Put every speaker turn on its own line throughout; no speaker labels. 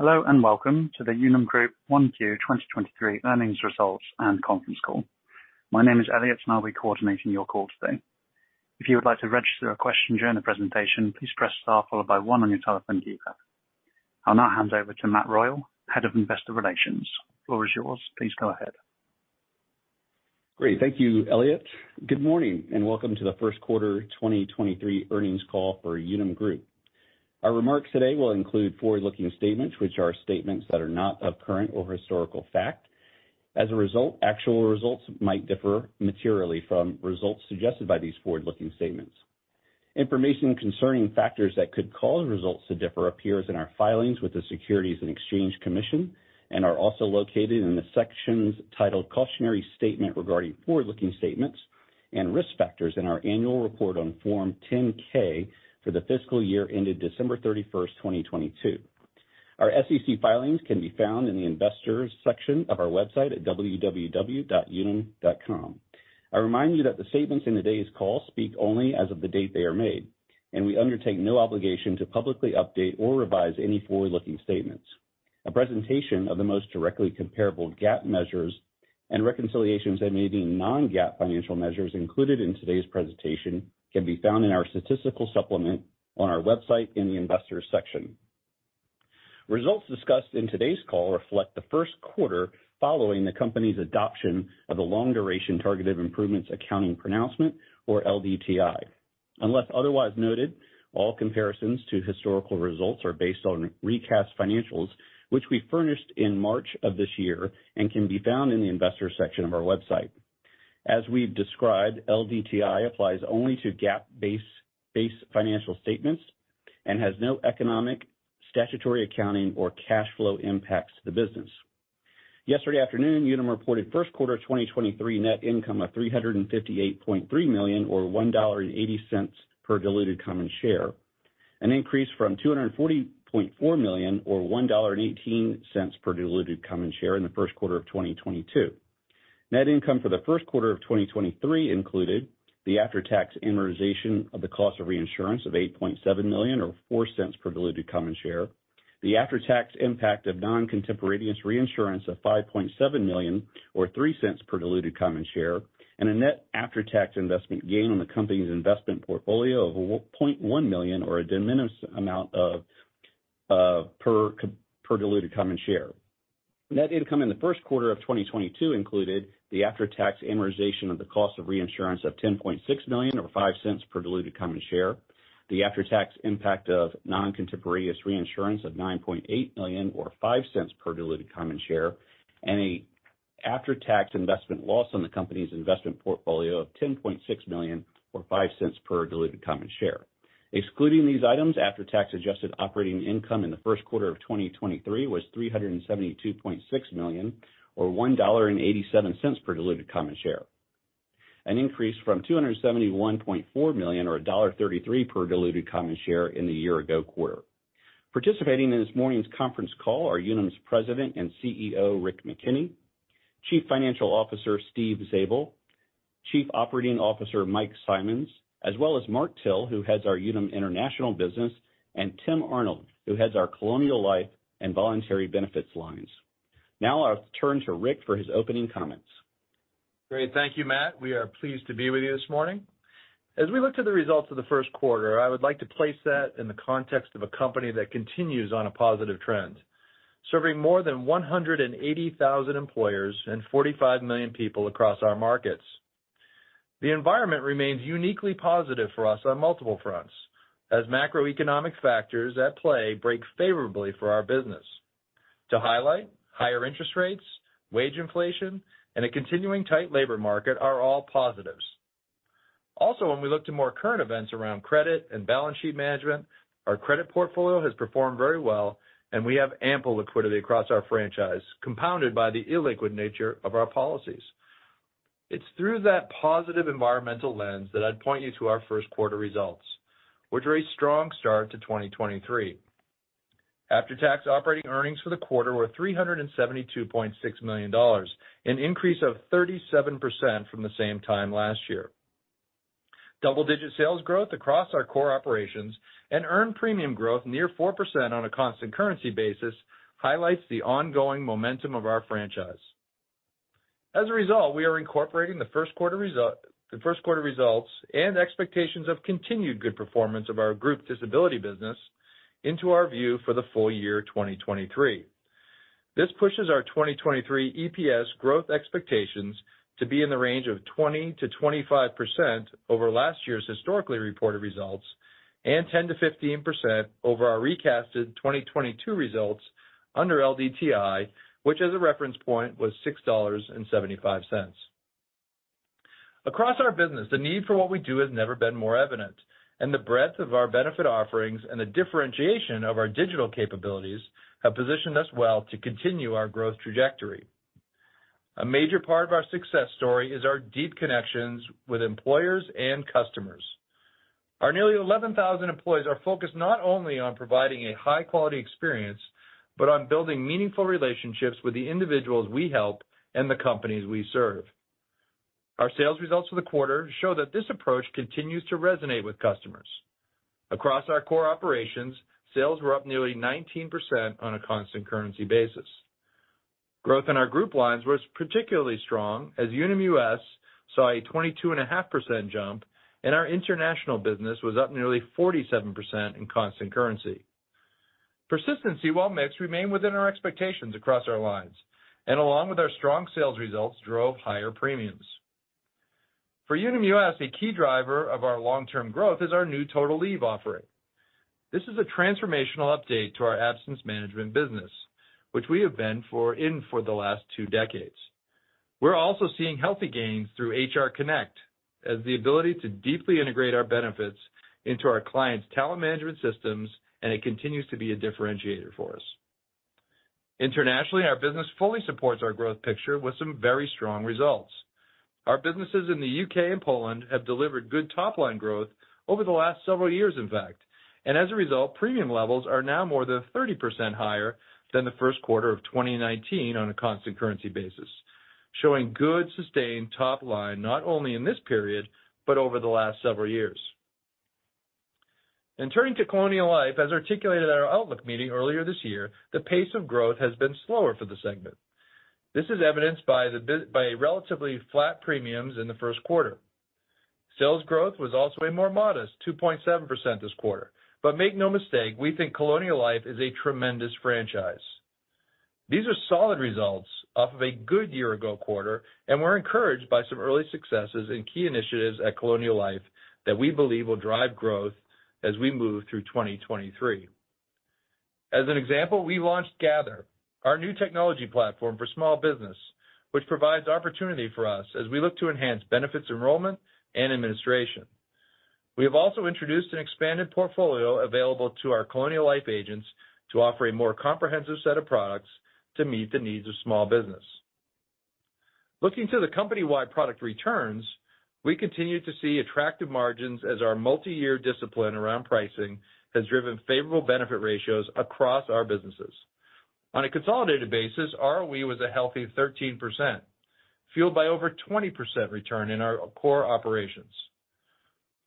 Hello, welcome to the Unum Group 1Q 2023 earnings results and conference call. My name is Elliot, and I'll be coordinating your call today. If you would like to register a question during the presentation, please press Star followed by one on your telephone keypad. I'll now hand over to Matt Royal, Head of Investor Relations. The floor is yours. Please go ahead.
Great. Thank you, Elliot. Good morning, welcome to the Q1 2023 earnings call for Unum Group. Our remarks today will include forward-looking statements which are statements that are not of current or historical fact. As a result, actual results might differ materially from results suggested by these forward-looking statements. Information concerning factors that could cause results to differ appears in our filings with the Securities and Exchange Commission and are also located in the sections titled Cautionary Statement Regarding Forward-Looking Statements and Risk Factors in our annual report on Form 10-K for the fiscal year ended December 31st, 2022. Our SEC filings can be found in the Investors section of our website at www.unum.com. I remind you that the statements in today's call speak only as of the date they are made, we undertake no obligation to publicly update or revise any forward-looking statements. A presentation of the most directly comparable GAAP measures and reconciliations of any non-GAAP financial measures included in today's presentation can be found in our statistical supplement on our website in the Investors section. Results discussed in today's call reflect the Q1 following the company's adoption of the Long Duration Targeted Improvements accounting pronouncement, or LDTI. Unless otherwise noted, all comparisons to historical results are based on recast financials, which we furnished in March of this year and can be found in the Investors section of our website. As we've described, LDTI applies only to GAAP-based financial statements and has no economic, statutory accounting, or cash flow impacts to the business. Yesterday afternoon, Unum reported Q1 2023 net income of $358.3 million or $1.80 per diluted common share, an increase from $240.4 million or $1.18 per diluted common share in the Q1 of 2022. Net income for the Q1 of 2023 included the after-tax amortization of the cost of reinsurance of $8.7 million or $0.04 per diluted common share, the after-tax impact of non-contemporaneous reinsurance of $5.7 million or $0.03 per diluted common share, and a net after-tax investment gain on the company's investment portfolio of $0.1 million or a de minimis amount of per diluted common share. Net income in the Q1 of 2022 included the after-tax amortization of the cost of reinsurance of $10.6 million or $0.05 per diluted common share, the after-tax impact of non-contemporaneous reinsurance of $9.8 million or $0.05 per diluted common share, and a after-tax investment loss on the company's investment portfolio of $10.6 million or $0.05 per diluted common share. Excluding these items, after-tax adjusted operating income in the Q1 of 2023 was $372.6 million or $1.87 per diluted common share, an increase from $271.4 million or $1.33 per diluted common share in the year ago quarter. Participating in this morning's conference call are Unum's President and CEO, Rick McKenney, Chief Financial Officer, Steve Zabel, Chief Operating Officer, Mike Simonds, as well as Mark Till, who heads our Unum International business, and Tim Arnold, who heads our Colonial Life and Voluntary Benefits lines. I'll turn to Rick for his opening comments.
Great. Thank you, Matt. We are pleased to be with you this morning. As we look to the results of the Q1, I would like to place that in the context of a company that continues on a positive trend, serving more than 180,000 employers and 45 million people across our markets. The environment remains uniquely positive for us on multiple fronts as macroeconomic factors at play break favorably for our business. To highlight, higher interest rates, wage inflation, and a continuing tight labor market are all positives. When we look to more current events around credit and balance sheet management, our credit portfolio has performed very well, and we have ample liquidity across our franchise, compounded by the illiquid nature of our policies. It's through that positive environmental lens that I'd point you to our Q1 results, which are a strong start to 2023. After-tax operating earnings for the quarter were $372.6 million, an increase of 37% from the same time last year. Double-digit sales growth across our core operations and earned premium growth near 4% on a constant currency basis highlights the ongoing momentum of our franchise. As a result, we are incorporating the Q1 results and expectations of continued good performance of our group disability business into our view for the full year 2023. This pushes our 2023 EPS growth expectations to be in the range of 20-25% over last year's historically reported results and 10-15% over our recasted 2022 results under LDTI, which as a reference point was $6.75. Across our business, the need for what we do has never been more evident, and the breadth of our benefit offerings and the differentiation of our digital capabilities have positioned us well to continue our growth trajectory. A major part of our success story is our deep connections with employers and customers. Our nearly 11,000 employees are focused not only on providing a high quality experience, but on building meaningful relationships with the individuals we help and the companies we serve. Our sales results for the quarter show that this approach continues to resonate with customers. Across our core operations, sales were up nearly 19% on a constant currency basis. Growth in our group lines was particularly strong as Unum US saw a 22.5% jump. Our international business was up nearly 47% in constant currency. Persistency while mix remained within our expectations across our lines, and along with our strong sales results, drove higher premiums. For Unum US, a key driver of our long-term growth is our new Total Leave offering. This is a transformational update to our absence management business, which we have been in for the last two decades. We're also seeing healthy gains through HR Connect as the ability to deeply integrate our benefits into our clients' talent management systems, and it continues to be a differentiator for us. Internationally, our business fully supports our growth picture with some very strong results. Our businesses in the UK and Poland have delivered good top-line growth over the last several years, in fact. As a result, premium levels are now more than 30% higher than the Q1 of 2019 on a constant currency basis, showing good sustained top line, not only in this period, but over the last several years. Turning to Colonial Life, as articulated at our outlook meeting earlier this year, the pace of growth has been slower for the segment. This is evidenced by relatively flat premiums in the Q1. Sales growth was also a more modest 2.7% this quarter. Make no mistake, we think Colonial Life is a tremendous franchise. These are solid results off of a good year ago quarter. We're encouraged by some early successes in key initiatives at Colonial Life that we believe will drive growth as we move through 2023. As an example, we launched Gather, our new technology platform for small business, which provides opportunity for us as we look to enhance benefits enrollment and administration. We have also introduced an expanded portfolio available to our Colonial Life agents to offer a more comprehensive set of products to meet the needs of small business. Looking to the company-wide product returns, we continue to see attractive margins as our multi-year discipline around pricing has driven favorable benefit ratios across our businesses. On a consolidated basis, ROE was a healthy 13%, fueled by over 20% return in our core operations.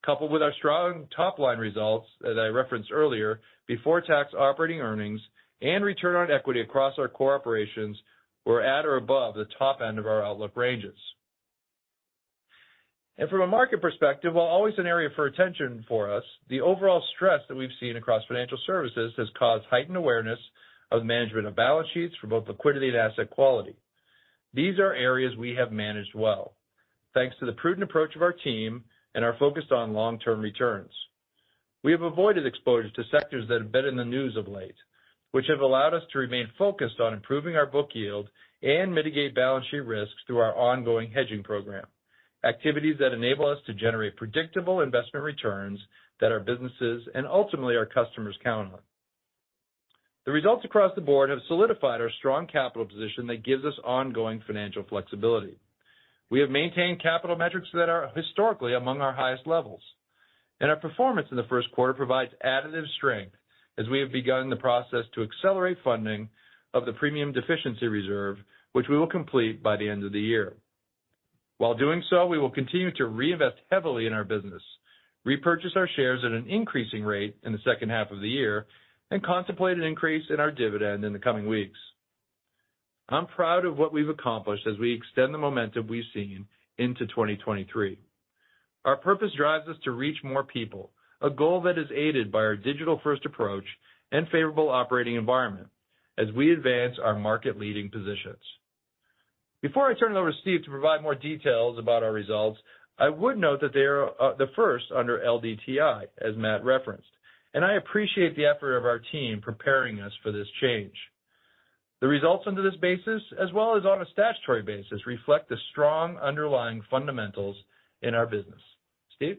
Coupled with our strong top-line results, as I referenced earlier, before-tax operating earnings and return on equity across our core operations were at or above the top end of our outlook ranges. From a market perspective, while always an area for attention for us, the overall stress that we've seen across financial services has caused heightened awareness of management of balance sheets for both liquidity and asset quality. These are areas we have managed well, thanks to the prudent approach of our team and our focus on long-term returns. We have avoided exposure to sectors that have been in the news of late, which have allowed us to remain focused on improving our book yield and mitigate balance sheet risks through our ongoing hedging program, activities that enable us to generate predictable investment returns that our businesses and ultimately our customers count on. The results across the board have solidified our strong capital position that gives us ongoing financial flexibility. We have maintained capital metrics that are historically among our highest levels, and our performance in the Q1 provides additive strength as we have begun the process to accelerate funding of the premium deficiency reserve, which we will complete by the end of the year. While doing so, we will continue to reinvest heavily in our business, repurchase our shares at an increasing rate in the second half of the year, and contemplate an increase in our dividend in the coming weeks. I'm proud of what we've accomplished as we extend the momentum we've seen into 2023. Our purpose drives us to reach more people, a goal that is aided by our digital-first approach and favorable operating environment as we advance our market-leading positions. Before I turn it over to Steve to provide more details about our results, I would note that they are the first under LDTI, as Matt referenced, and I appreciate the effort of our team preparing us for this change. The results under this basis, as well as on a statutory basis, reflect the strong underlying fundamentals in our business. Steve?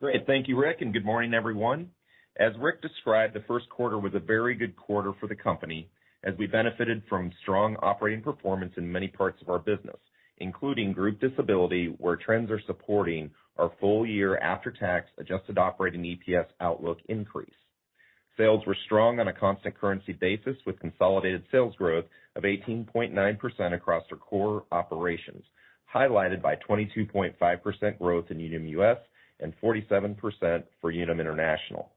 Great. Thank you, Rick, and good morning, everyone. As Rick described, the Q1 was a very good quarter for the company as we benefited from strong operating performance in many parts of our business, including group disability, where trends are supporting our full year after-tax adjusted operating EPS outlook increase. Sales were strong on a constant currency basis with consolidated sales growth of 18.9% across their core operations, highlighted by 22.5% growth in Unum US and 47% for Unum International.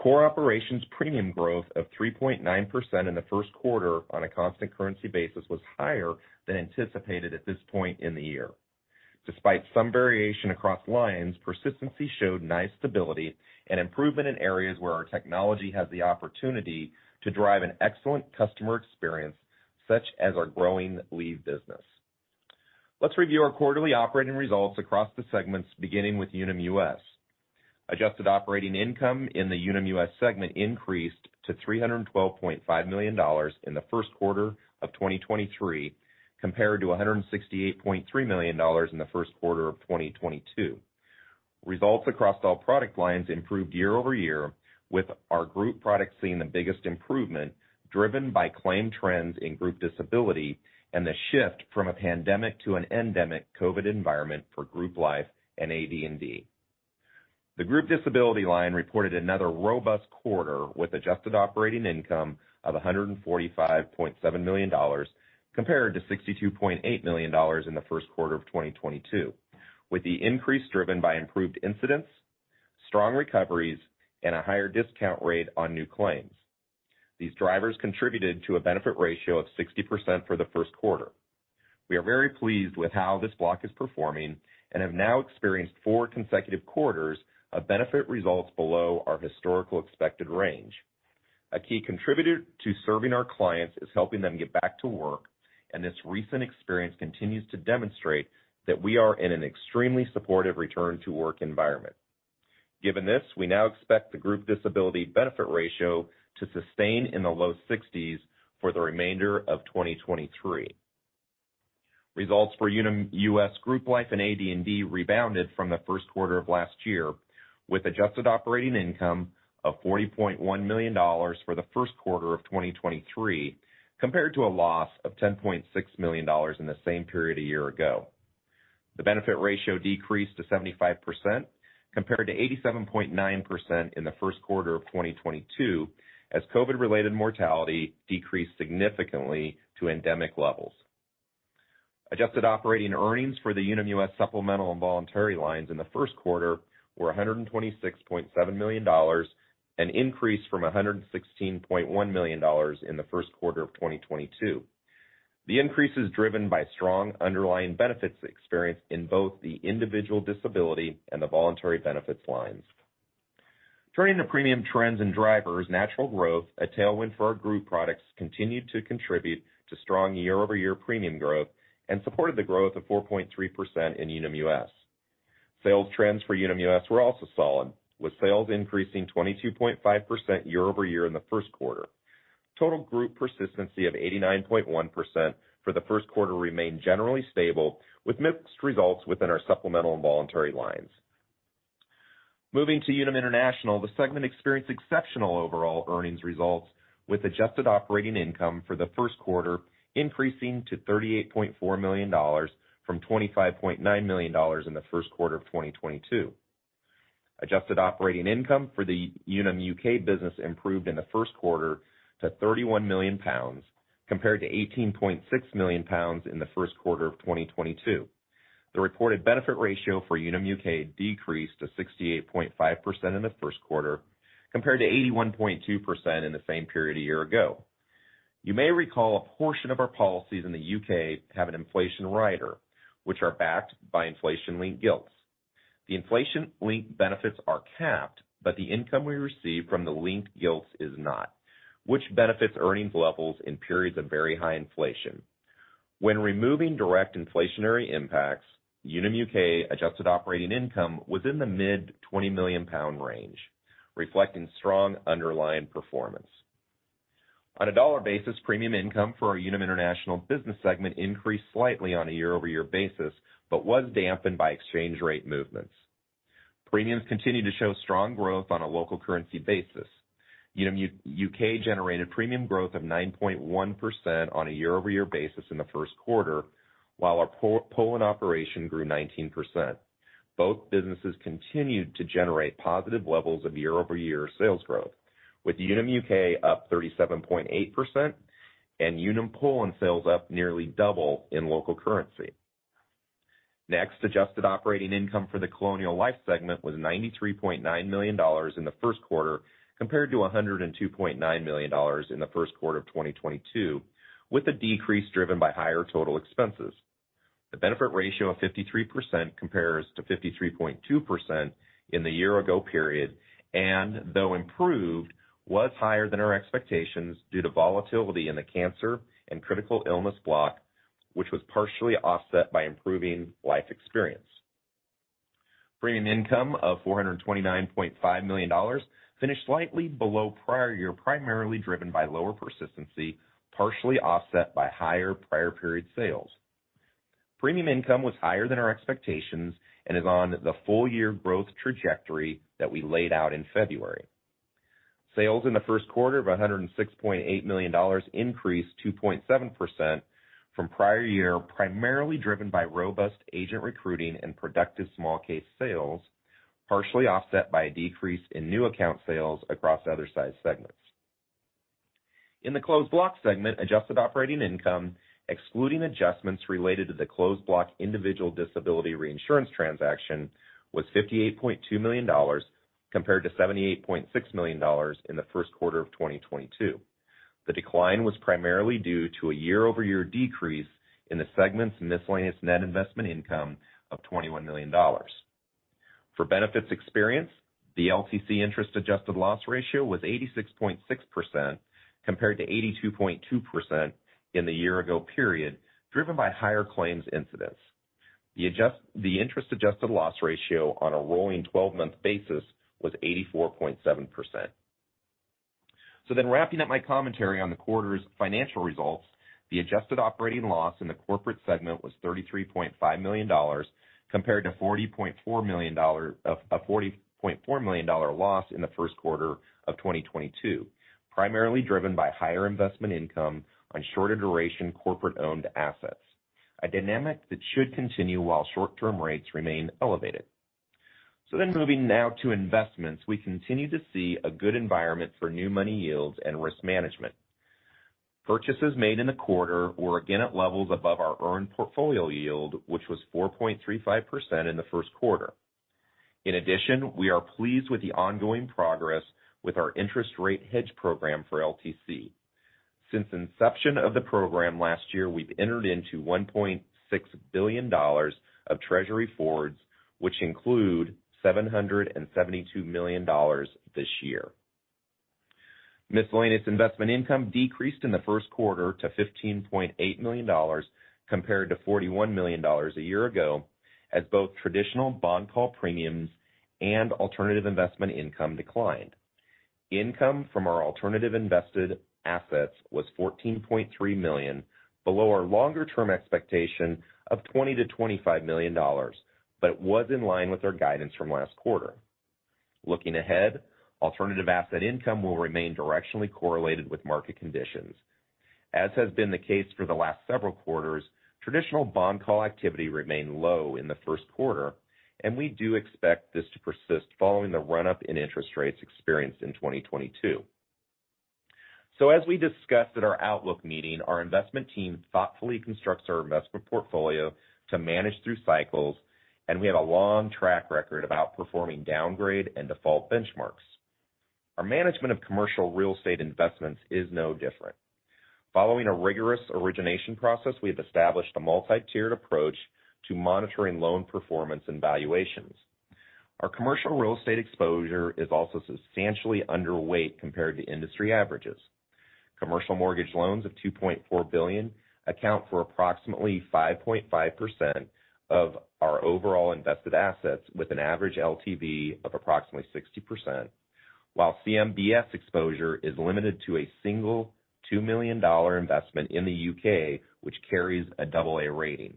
Core operations premium growth of 3.9% in the Q1 on a constant currency basis was higher than anticipated at this point in the year. Despite some variation across lines, persistency showed nice stability and improvement in areas where our technology has the opportunity to drive an excellent customer experience, such as our growing leave business. Let's review our quarterly operating results across the segments, beginning with Unum US. Adjusted operating income in the Unum US segment increased to $312.5 million in the Q1 of 2023, compared to $168.3 million in the Q1 of 2022. Results across all product lines improved year-over-year, with our group products seeing the biggest improvement, driven by claim trends in group disability and the shift from a pandemic to an endemic COVID environment for group life and AD&D. The group disability line reported another robust quarter with adjusted operating income of $145.7 million compared to $62.8 million in the Q1 of 2022, with the increase driven by improved incidents, strong recoveries, and a higher discount rate on new claims. These drivers contributed to a benefit ratio of 60% for the Q1. We are very pleased with how this block is performing and have now experienced four consecutive quarters of benefit results below our historical expected range. A key contributor to serving our clients is helping them get back to work, and this recent experience continues to demonstrate that we are in an extremely supportive return-to-work environment. Given this, we now expect the group disability benefit ratio to sustain in the low 60s for the remainder of 2023. Results for Unum US Group Life and AD&D rebounded from the Q1 of last year with adjusted operating income of $40.1 million for the Q1 of 2023, compared to a loss of $10.6 million in the same period a year ago. The benefit ratio decreased to 75% compared to 87.9% in the Q1 of 2022, as COVID-related mortality decreased significantly to endemic levels. Adjusted operating earnings for the Unum US supplemental and voluntary lines in the Q1 were $126.7 million, an increase from $116.1 million in the Q1 of 2022. The increase is driven by strong underlying benefits experienced in both the individual disability and the voluntary benefits lines. Turning to premium trends and drivers, natural growth, a tailwind for our group products, continued to contribute to strong year-over-year premium growth and supported the growth of 4.3% in Unum US. Sales trends for Unum US were also solid, with sales increasing 22.5% year-over-year in the Q1. Total group persistency of 89.1% for the Q1 remained generally stable, with mixed results within our supplemental and voluntary lines. Unum International, the segment experienced exceptional overall earnings results, with adjusted operating income for the Q1 increasing to $38.4 million from $25.9 million in the Q1 of 2022. Adjusted operating income for the Unum UK business improved in the Q1 to 31 million pounds compared to 18.6 million pounds in the Q1 of 2022. The reported benefit ratio for Unum UK decreased to 68.5% in the Q1 compared to 81.2% in the same period a year ago. You may recall a portion of our policies in the U.K. have an inflation rider, which are backed by inflation-linked gilts. The inflation-linked benefits are capped, but the income we receive from the linked gilts is not, which benefits earnings levels in periods of very high inflation. When removing direct inflationary impacts, Unum UK adjusted operating income was in the mid 20 million pound range, reflecting strong underlying performance. On a dollar basis, premium income for our Unum International business segment increased slightly on a year-over-year basis, but was dampened by exchange rate movements. Premiums continued to show strong growth on a local currency basis. Unum UK generated premium growth of 9.1% on a year-over-year basis in the Q1, while our Poland operation grew 19%. Both businesses continued to generate positive levels of year-over-year sales growth, with Unum UK up 37.8% and Unum Poland sales up nearly double in local currency. Adjusted operating income for the Colonial Life segment was $93.9 million in the Q1 compared to $102.9 million in the Q1 of 2022, with a decrease driven by higher total expenses. The benefit ratio of 53% compares to 53.2% in the year-ago period, and though improved, was higher than our expectations due to volatility in the cancer and critical illness block, which was partially offset by improving life experience. Premium income of $429.5 million finished slightly below prior year, primarily driven by lower persistency, partially offset by higher prior period sales. Premium income was higher than our expectations and is on the full year growth trajectory that we laid out in February. Sales in the Q1 of $106.8 million increased 2.7% from prior year, primarily driven by robust agent recruiting and productive small case sales, partially offset by a decrease in new account sales across other size segments. In the Closed Block segment, adjusted operating income, excluding adjustments related to the Closed Block individual disability reinsurance transaction, was $58.2 million compared to $78.6 million in the Q1 of 2022. The decline was primarily due to a year-over-year decrease in the segment's miscellaneous net investment income of $21 million. For benefits experience, the LTC interest-adjusted loss ratio was 86.6% compared to 82.2% in the year-ago period, driven by higher claims incidents. The interest-adjusted loss ratio on a rolling 12-month basis was 84.7%. Wrapping up my commentary on the quarter's financial results, the adjusted operating loss in the corporate segment was $33.5 million, compared to a $40.4 million loss in the Q1 of 2022, primarily driven by higher investment income on shorter duration corporate-owned assets. A dynamic that should continue while short-term rates remain elevated. Moving now to investments. We continue to see a good environment for new money yields and risk management. Purchases made in the quarter were again at levels above our earned portfolio yield, which was 4.35% in the Q1. In addition, we are pleased with the ongoing progress with our interest rate hedge program for LTC. Since inception of the program last year, we've entered into $1.6 billion of Treasury forwards, which include $772 million this year. Miscellaneous investment income decreased in the Q1 to $15.8 million compared to $41 million a year ago, as both traditional bond call premiums and alternative investment income declined. Income from our alternative invested assets was $14.3 million, below our longer-term expectation of $20 million-25 million, but was in line with our guidance from last quarter. Looking ahead, alternative asset income will remain directionally correlated with market conditions. As has been the case for the last several quarters, traditional bond call activity remained low in the Q1, and we do expect this to persist following the run-up in interest rates experienced in 2022. As we discussed at our outlook meeting, our investment team thoughtfully constructs our investment portfolio to manage through cycles, and we have a long track record of outperforming downgrade and default benchmarks. Our management of commercial real estate investments is no different. Following a rigorous origination process, we have established a multi-tiered approach to monitoring loan performance and valuations. Our commercial real estate exposure is also substantially underweight compared to industry averages. Commercial mortgage loans of $2.4 billion account for approximately 5.5% of our overall invested assets with an average LTV of approximately 60%, while CMBS exposure is limited to a single $2 million investment in the UK, which carries a double A rating.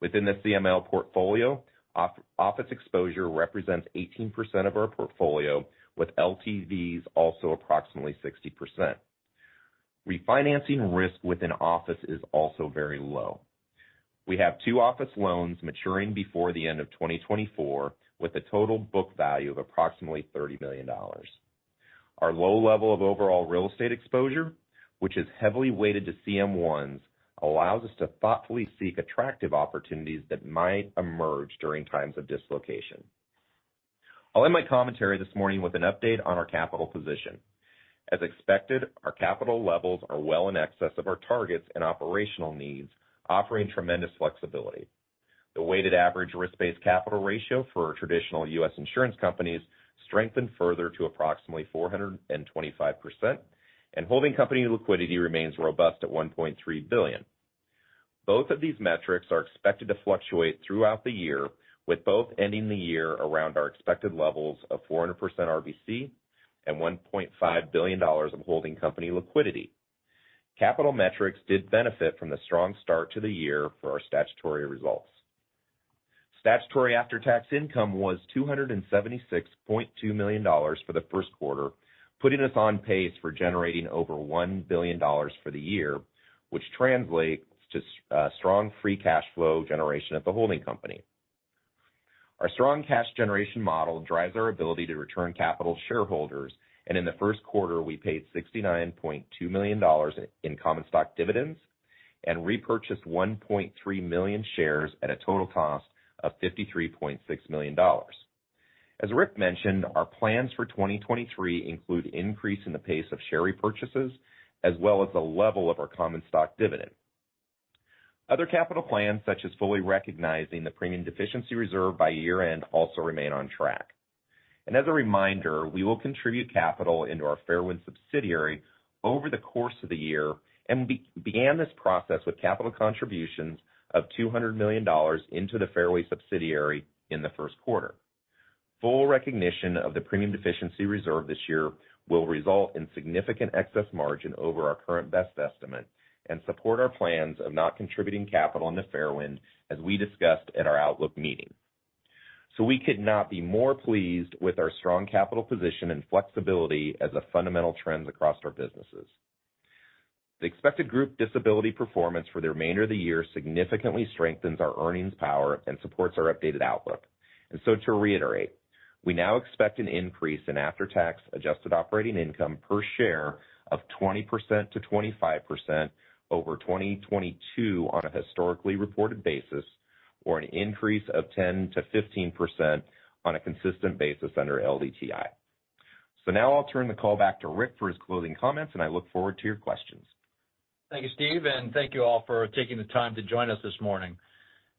Within the CML portfolio, off-office exposure represents 18% of our portfolio with LTVs also approximately 60%. Refinancing risk within office is also very low. We have 2 office loans maturing before the end of 2024 with a total book value of approximately $30 million. Our low level of overall real estate exposure, which is heavily weighted to CM1s, allows us to thoughtfully seek attractive opportunities that might emerge during times of dislocation. I'll end my commentary this morning with an update on our capital position. As expected, our capital levels are well in excess of our targets and operational needs, offering tremendous flexibility. The weighted average risk-based capital ratio for traditional US insurance companies strengthened further to approximately 425%, and holding company liquidity remains robust at $1.3 billion. Both of these metrics are expected to fluctuate throughout the year, with both ending the year around our expected levels of 400% RBC and $1.5 billion of holding company liquidity. Capital metrics did benefit from the strong start to the year for our statutory results. Statutory after-tax income was $276.2 million for the Q1, putting us on pace for generating over $1 billion for the year, which translates to strong free cash flow generation at the holding company. Our strong cash generation model drives our ability to return capital to shareholders, and in the Q1, we paid $69.2 million in common stock dividends and repurchased 1.3 million shares at a total cost of $53.6 million. As Rick mentioned, our plans for 2023 include increase in the pace of share repurchases as well as the level of our common stock dividend. Other capital plans, such as fully recognizing the premium deficiency reserve by year-end, also remain on track. As a reminder, we will contribute capital into our Fairwind subsidiary over the course of the year and began this process with capital contributions of $200 million into the Fairwind subsidiary in the Q1. Full recognition of the premium deficiency reserve this year will result in significant excess margin over our current best estimate and support our plans of not contributing capital into Fairwind, as we discussed at our outlook meeting. We could not be more pleased with our strong capital position and flexibility as a fundamental trends across our businesses. The expected group disability performance for the remainder of the year significantly strengthens our earnings power and supports our updated outlook. To reiterate, we now expect an increase in after-tax adjusted operating income per share of 20-25% over 2022 on a historically reported basis, or an increase of 10-15% on a consistent basis under LDTI. Now I'll turn the call back to Rick for his closing comments, and I look forward to your questions.
Thank you, Steve, and thank you all for taking the time to join us this morning.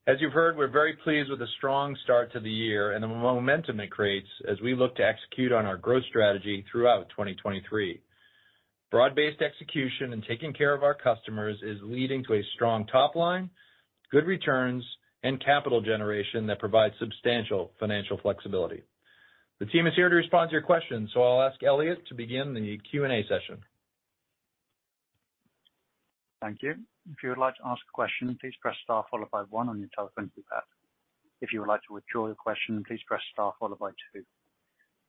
As you've heard, we're very pleased with the strong start to the year and the momentum it creates as we look to execute on our growth strategy throughout 2023. Broad-based execution and taking care of our customers is leading to a strong top line, good returns, and capital generation that provides substantial financial flexibility. The team is here to respond to your questions, so I'll ask Elliot to begin the Q&A session.
Thank you. If you would like to ask a question, please press star followed by one on your telephone keypad. If you would like to withdraw your question, please press star followed by two.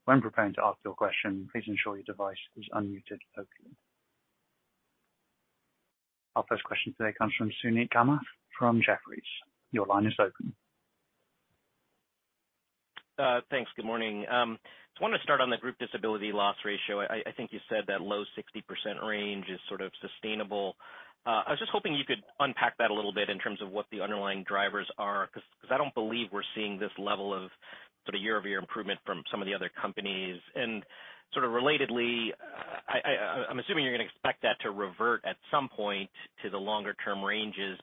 When preparing to ask your question, please ensure your device is unmuted appropriately. Our first question today comes from Suneet Kamath from Jefferies. Your line is open.
Thanks. Good morning. Just want to start on the group disability loss ratio. I think you said that low 60% range is sort of sustainable. I was just hoping you could unpack that a little bit in terms of what the underlying drivers are, 'cause I don't believe we're seeing this level of sort of year-over-year improvement from some of the other companies. Sort of relatedly, I'm assuming you're gonna expect that to revert at some point to the longer-term ranges.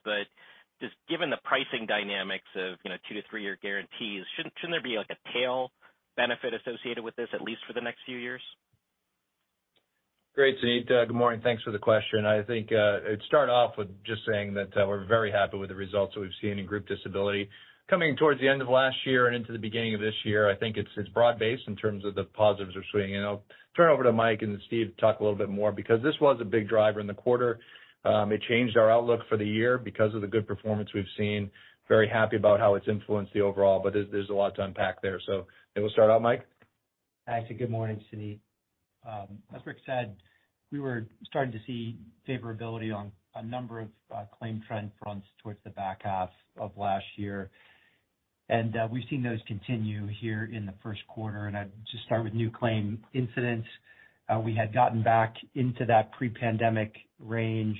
Just given the pricing dynamics of, you know, 2-3-year guarantees, shouldn't there be like a tail benefit associated with this at least for the next few years?
Great, Suneet. Good morning. Thanks for the question. I think, I'd start off with just saying that, we're very happy with the results that we've seen in group disability. Coming towards the end of last year and into the beginning of this year, I think it's broad-based in terms of the positives we're seeing. I'll turn it over to Mike and Steve Zabel to talk a little bit more because this was a big driver in the quarter. It changed our outlook for the year because of the good performance we've seen. Very happy about how it's influenced the overall, but there's a lot to unpack there. Maybe we'll start out, Mike.
Actually, good morning, Suneet. As Rick said, we were starting to see favorability on a number of claim trend fronts towards the back half of last year. We've seen those continue here in the Q1, and I'd just start with new claim incidents. We had gotten back into that pre-pandemic range,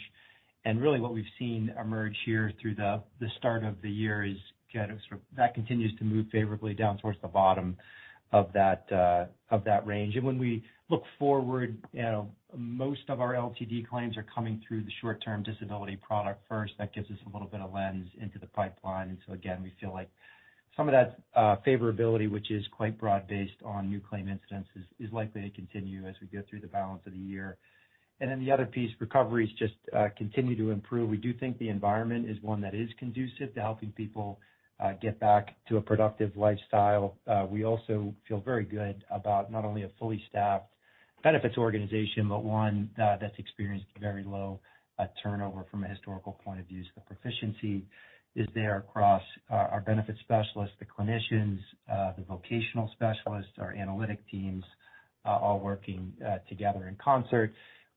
and really what we've seen emerge here through the start of the year is kind of sort of that continues to move favorably down towards the bottom of that of that range. When we look forward, you know, most of our LTD claims are coming through the short-term disability product first. That gives us a little bit of lens into the pipeline. Again, we feel like some of that favorability, which is quite broad-based on new claim incidents, is likely to continue as we go through the balance of the year. The other piece, recoveries just continue to improve. We do think the environment is one that is conducive to helping people get back to a productive lifestyle. We also feel very good about not only a fully staffed benefits organization, but one that's experienced very low turnover from a historical point of view. The proficiency is there across our benefit specialists, the clinicians, the vocational specialists, our analytic teams, all working together in concert.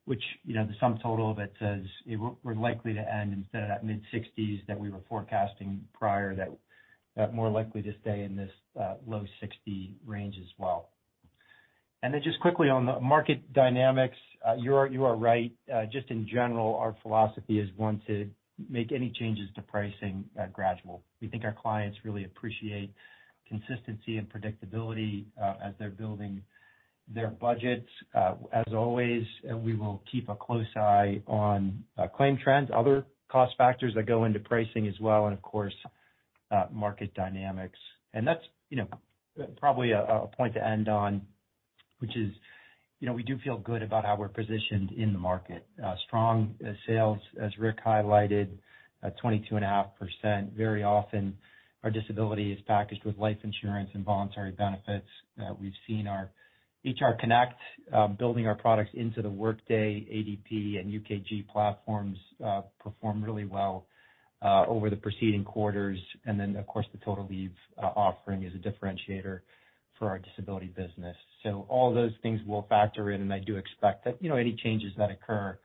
You know, the sum total of it says it were likely to end instead of that mid-60s that we were forecasting prior, that more likely to stay in this low 60 range as well. Just quickly on the market dynamics, you are right. Just in general, our philosophy is one to make any changes to pricing gradual. We think our clients really appreciate consistency and predictability as they're building their budgets. As always, we will keep a close eye on claim trends, other cost factors that go into pricing as well, of course, market dynamics. That's, you know, probably a point to end on, which is, you know, we do feel good about how we're positioned in the market. Strong sales, as Rick highlighted, 22.5%. Very often our disability is packaged with life insurance and voluntary benefits. We've seen our HR Connect, building our products into the Workday, ADP, and UKG platforms, perform really well over the preceding quarters. Then, of course, the Total Leave offering is a differentiator for our disability business. All those things will factor in, and I do expect that, you know, any changes that occur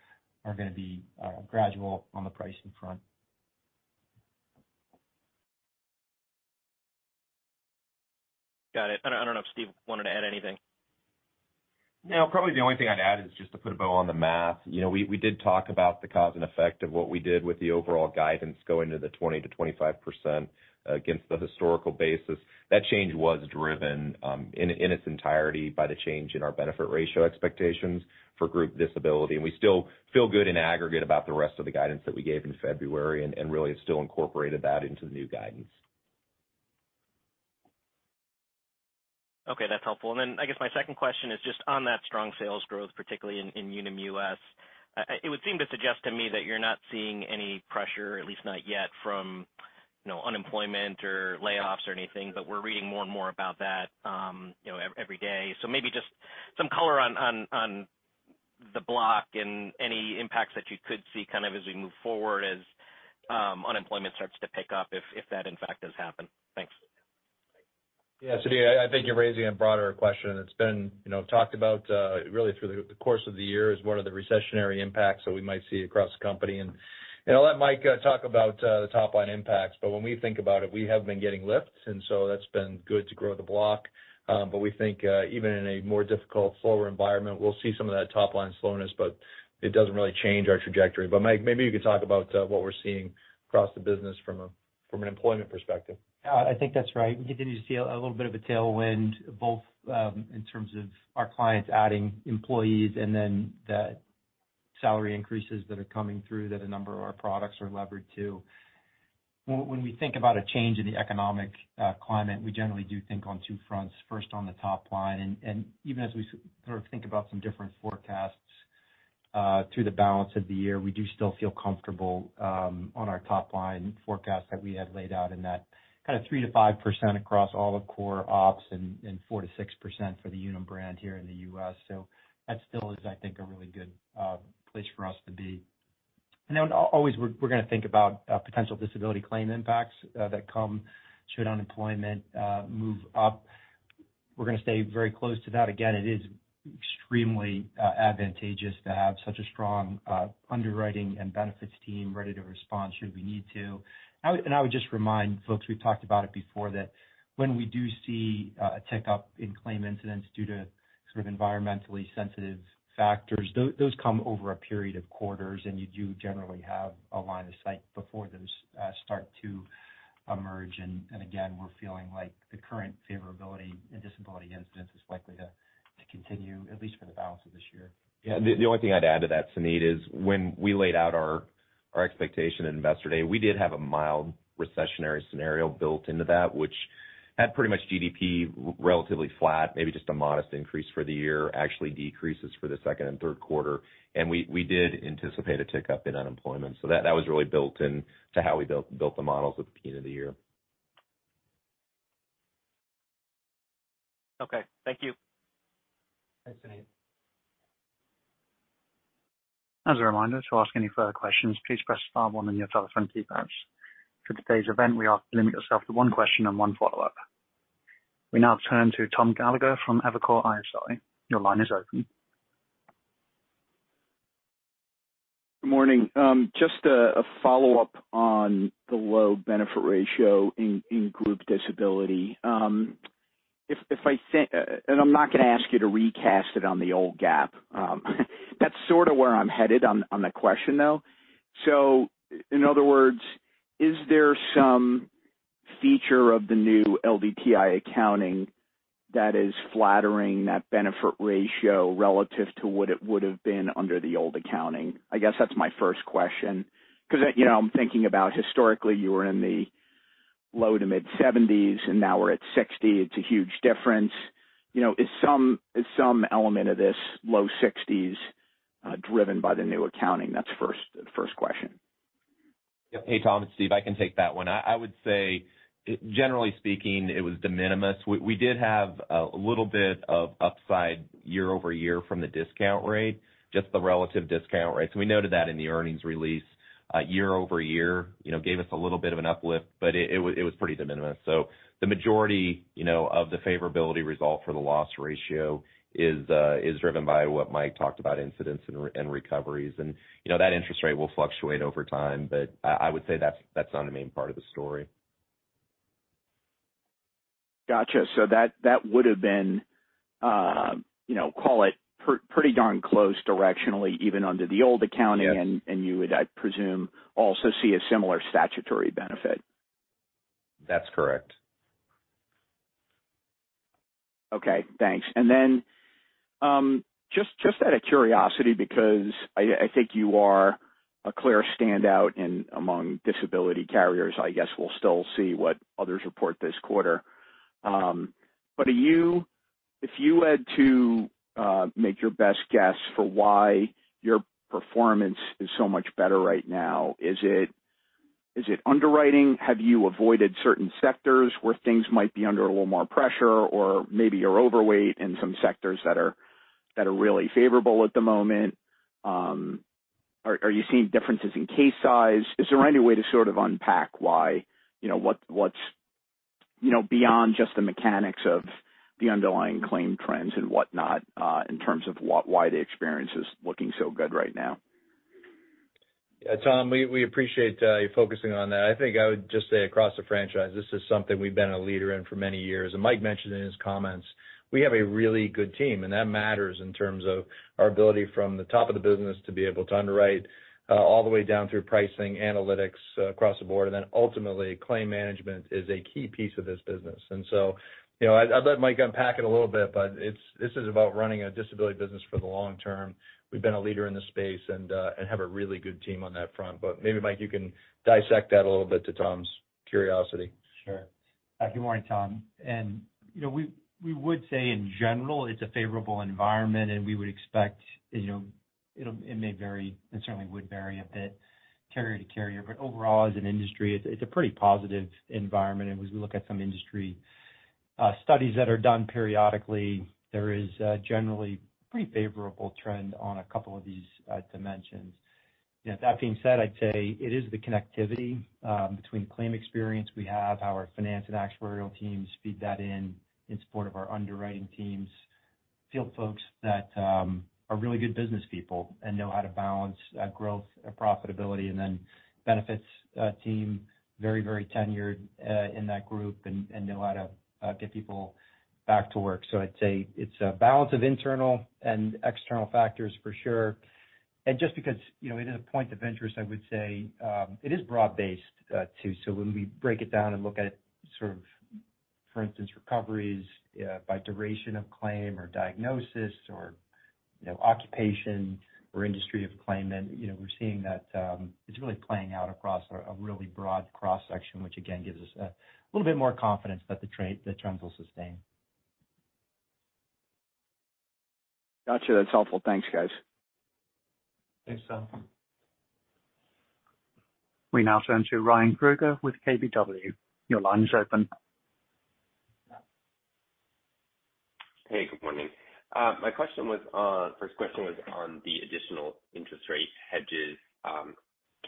are gonna be gradual on the pricing front.
Got it. I don't know if Steve wanted to add anything?
No, probably the only thing I'd add is just to put a bow on the math. You know, we did talk about the cause and effect of what we did with the overall guidance going to the 20-25% against the historical basis. That change was driven in its entirety by the change in our benefit ratio expectations for group disability. We still feel good in aggregate about the rest of the guidance that we gave in February and really have still incorporated that into the new guidance.
I guess my second question is just on that strong sales growth, particularly in Unum US, it would seem to suggest to me that you're not seeing any pressure, at least not yet, from, you know, unemployment or layoffs or anything, but we're reading more and more about that, you know, every day. Maybe just some color on the block and any impacts that you could see kind of as we move forward as unemployment starts to pick up if that in fact does happen. Thanks.
Yeah, Sunit, I think you're raising a broader question. It's been, you know, talked about really through the course of the year is what are the recessionary impacts that we might see across the company? You know, I'll let Mike talk about the top-line impacts. When we think about it, we have been getting lifts, and so that's been good to grow the block. We think, even in a more difficult, slower environment, we'll see some of that top-line slowness, but it doesn't really change our trajectory. Mike, maybe you could talk about what we're seeing across the business from an employment perspective.
Yeah, I think that's right. We continue to see a little bit of a tailwind, both in terms of our clients adding employees and then the salary increases that are coming through that a number of our products are levered to. When we think about a change in the economic climate, we generally do think on two fronts, first on the top line. Even as we sort of think about some different forecasts through the balance of the year, we do still feel comfortable on our top-line forecast that we had laid out in that kind of 3-5% across all of core ops and 4-6% for the Unum brand here in the US. That still is, I think, a really good place for us to be. Always we're gonna think about potential disability claim impacts that come should unemployment move up. We're gonna stay very close to that. Again, it is extremely advantageous to have such a strong underwriting and benefits team ready to respond should we need to. I would just remind folks, we've talked about it before, that when we do see a tick up in claim incidents due to sort of environmentally sensitive factors, those come over a period of quarters, and you do generally have a line of sight before those start to emerge. Again, we're feeling like the current favorability in disability incidents is likely to continue, at least for the balance of this year.
Yeah. The only thing I'd add to that, Suneet, is when we laid out our expectation at Investor Day, we did have a mild recessionary scenario built into that, which had pretty much GDP relatively flat, maybe just a modest increase for the year, actually decreases for the second and Q3. We did anticipate a tick up in unemployment. That was really built in to how we built the models at the beginning of the year.
Okay. Thank you.
Thanks, Suneet.
As a reminder, to ask any further questions, please press star one on your telephone keypads. For today's event, we ask you to limit yourself to one question and one follow-up. We now turn to Tom Gallagher from Evercore ISI. Your line is open.
Good morning. Just a follow-up on the low benefit ratio in group disability. I'm not gonna ask you to recast it on the old GAAP. That's sorta where I'm headed on the question, though. In other words, is there some feature of the new LDTI accounting that is flattering that benefit ratio relative to what it would have been under the old accounting? I guess that's my first question. You know, I'm thinking about historically, you were in the low to mid 70%, and now we're at 60%. It's a huge difference. You know, is some element of this low 60% driven by the new accounting? That's first question.
Yeah. Hey, Tom, it's Steve. I can take that one. I would say, generally speaking, it was de minimis. We did have a little bit of upside year-over-year from the discount rate, just the relative discount rate. We noted that in the earnings release. year-over-year, you know, gave us a little bit of an uplift, it was pretty de minimis. The majority, you know, of the favorability result for the loss ratio is driven by what Mike talked about, incidents and recoveries. you know, that interest rate will fluctuate over time, I would say that's not the main part of the story.
Gotcha. That, that would have been, you know, call it pretty darn close directionally, even under the old accounting.
Yes.
You would, I presume, also see a similar statutory benefit.
That's correct.
Okay, thanks. Just out of curiosity, because I think you are a clear standout in among disability carriers. I guess we'll still see what others report this quarter. If you had to make your best guess for why your performance is so much better right now, is it underwriting? Have you avoided certain sectors where things might be under a little more pressure or maybe you're overweight in some sectors that are really favorable at the moment? Are you seeing differences in case size? Is there any way to sort of unpack why, you know, what's, you know, beyond just the mechanics of the underlying claim trends and whatnot, in terms of why the experience is looking so good right now?
Yeah, Tom, we appreciate you focusing on that. I think I would just say across the franchise, this is something we've been a leader in for many years. Mike mentioned in his comments, we have a really good team, and that matters in terms of our ability from the top of the business to be able to underwrite all the way down through pricing, analytics across the board. Ultimately, claim management is a key piece of this business. So, you know, I'll let Mike unpack it a little bit, but this is about running a disability business for the long term. We've been a leader in this space and have a really good team on that front. Maybe, Mike, you can dissect that a little bit to Tom's curiosity.
Sure. Good morning, Tom. You know, we would say in general, it's a favorable environment, and we would expect, you know, it may vary, it certainly would vary a bit carrier to carrier. Overall, as an industry, it's a pretty positive environment. As we look at some industry studies that are done periodically, there is generally pretty favorable trend on a couple of these dimensions. You know, that being said, I'd say it is the connectivity between claim experience we have, our finance and actuarial teams feed that in in support of our underwriting teams. Field folks that are really good business people and know how to balance growth, profitability, and then benefits team, very, very tenured in that group and know how to get people back to work. I'd say it's a balance of internal and external factors for sure. Just because, you know, it is a point of interest, I would say, it is broad-based, too. When we break it down and look at it sort of, for instance, recoveries, by duration of claim or diagnosis or, you know, occupation or industry of claimant, you know, we're seeing that, it's really playing out across a really broad cross-section, which again, gives us a little bit more confidence that the trends will sustain.
Gotcha. That's helpful. Thanks, guys.
Thanks, Tom.
We now turn to Ryan Krueger with KBW. Your line is open.
Hey, good morning. My first question was on the additional interest rate hedges.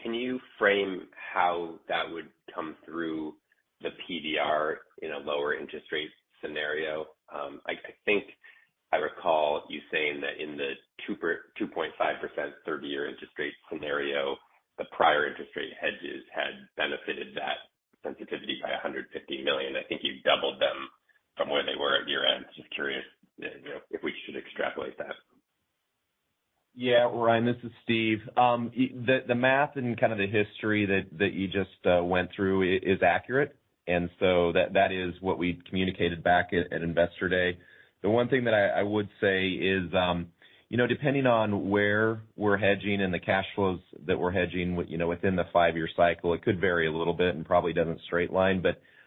Can you frame how that would come through the PDR in a lower interest rate scenario? I think I recall you saying that in the 2.5%, 30-year interest rate scenario, the prior interest rate hedges had benefited that sensitivity by $150 million. I think you've doubled them from where they were at year-end. Just curious, you know, if we should extrapolate that.
Yeah, Ryan, this is Steve. The math and kind of the history that you just went through is accurate. That is what we communicated back at Investor Day. The one thing that I would say is, you know, depending on where we're hedging and the cash flows that we're hedging, you know, within the 5-year cycle, it could vary a little bit and probably doesn't straight line.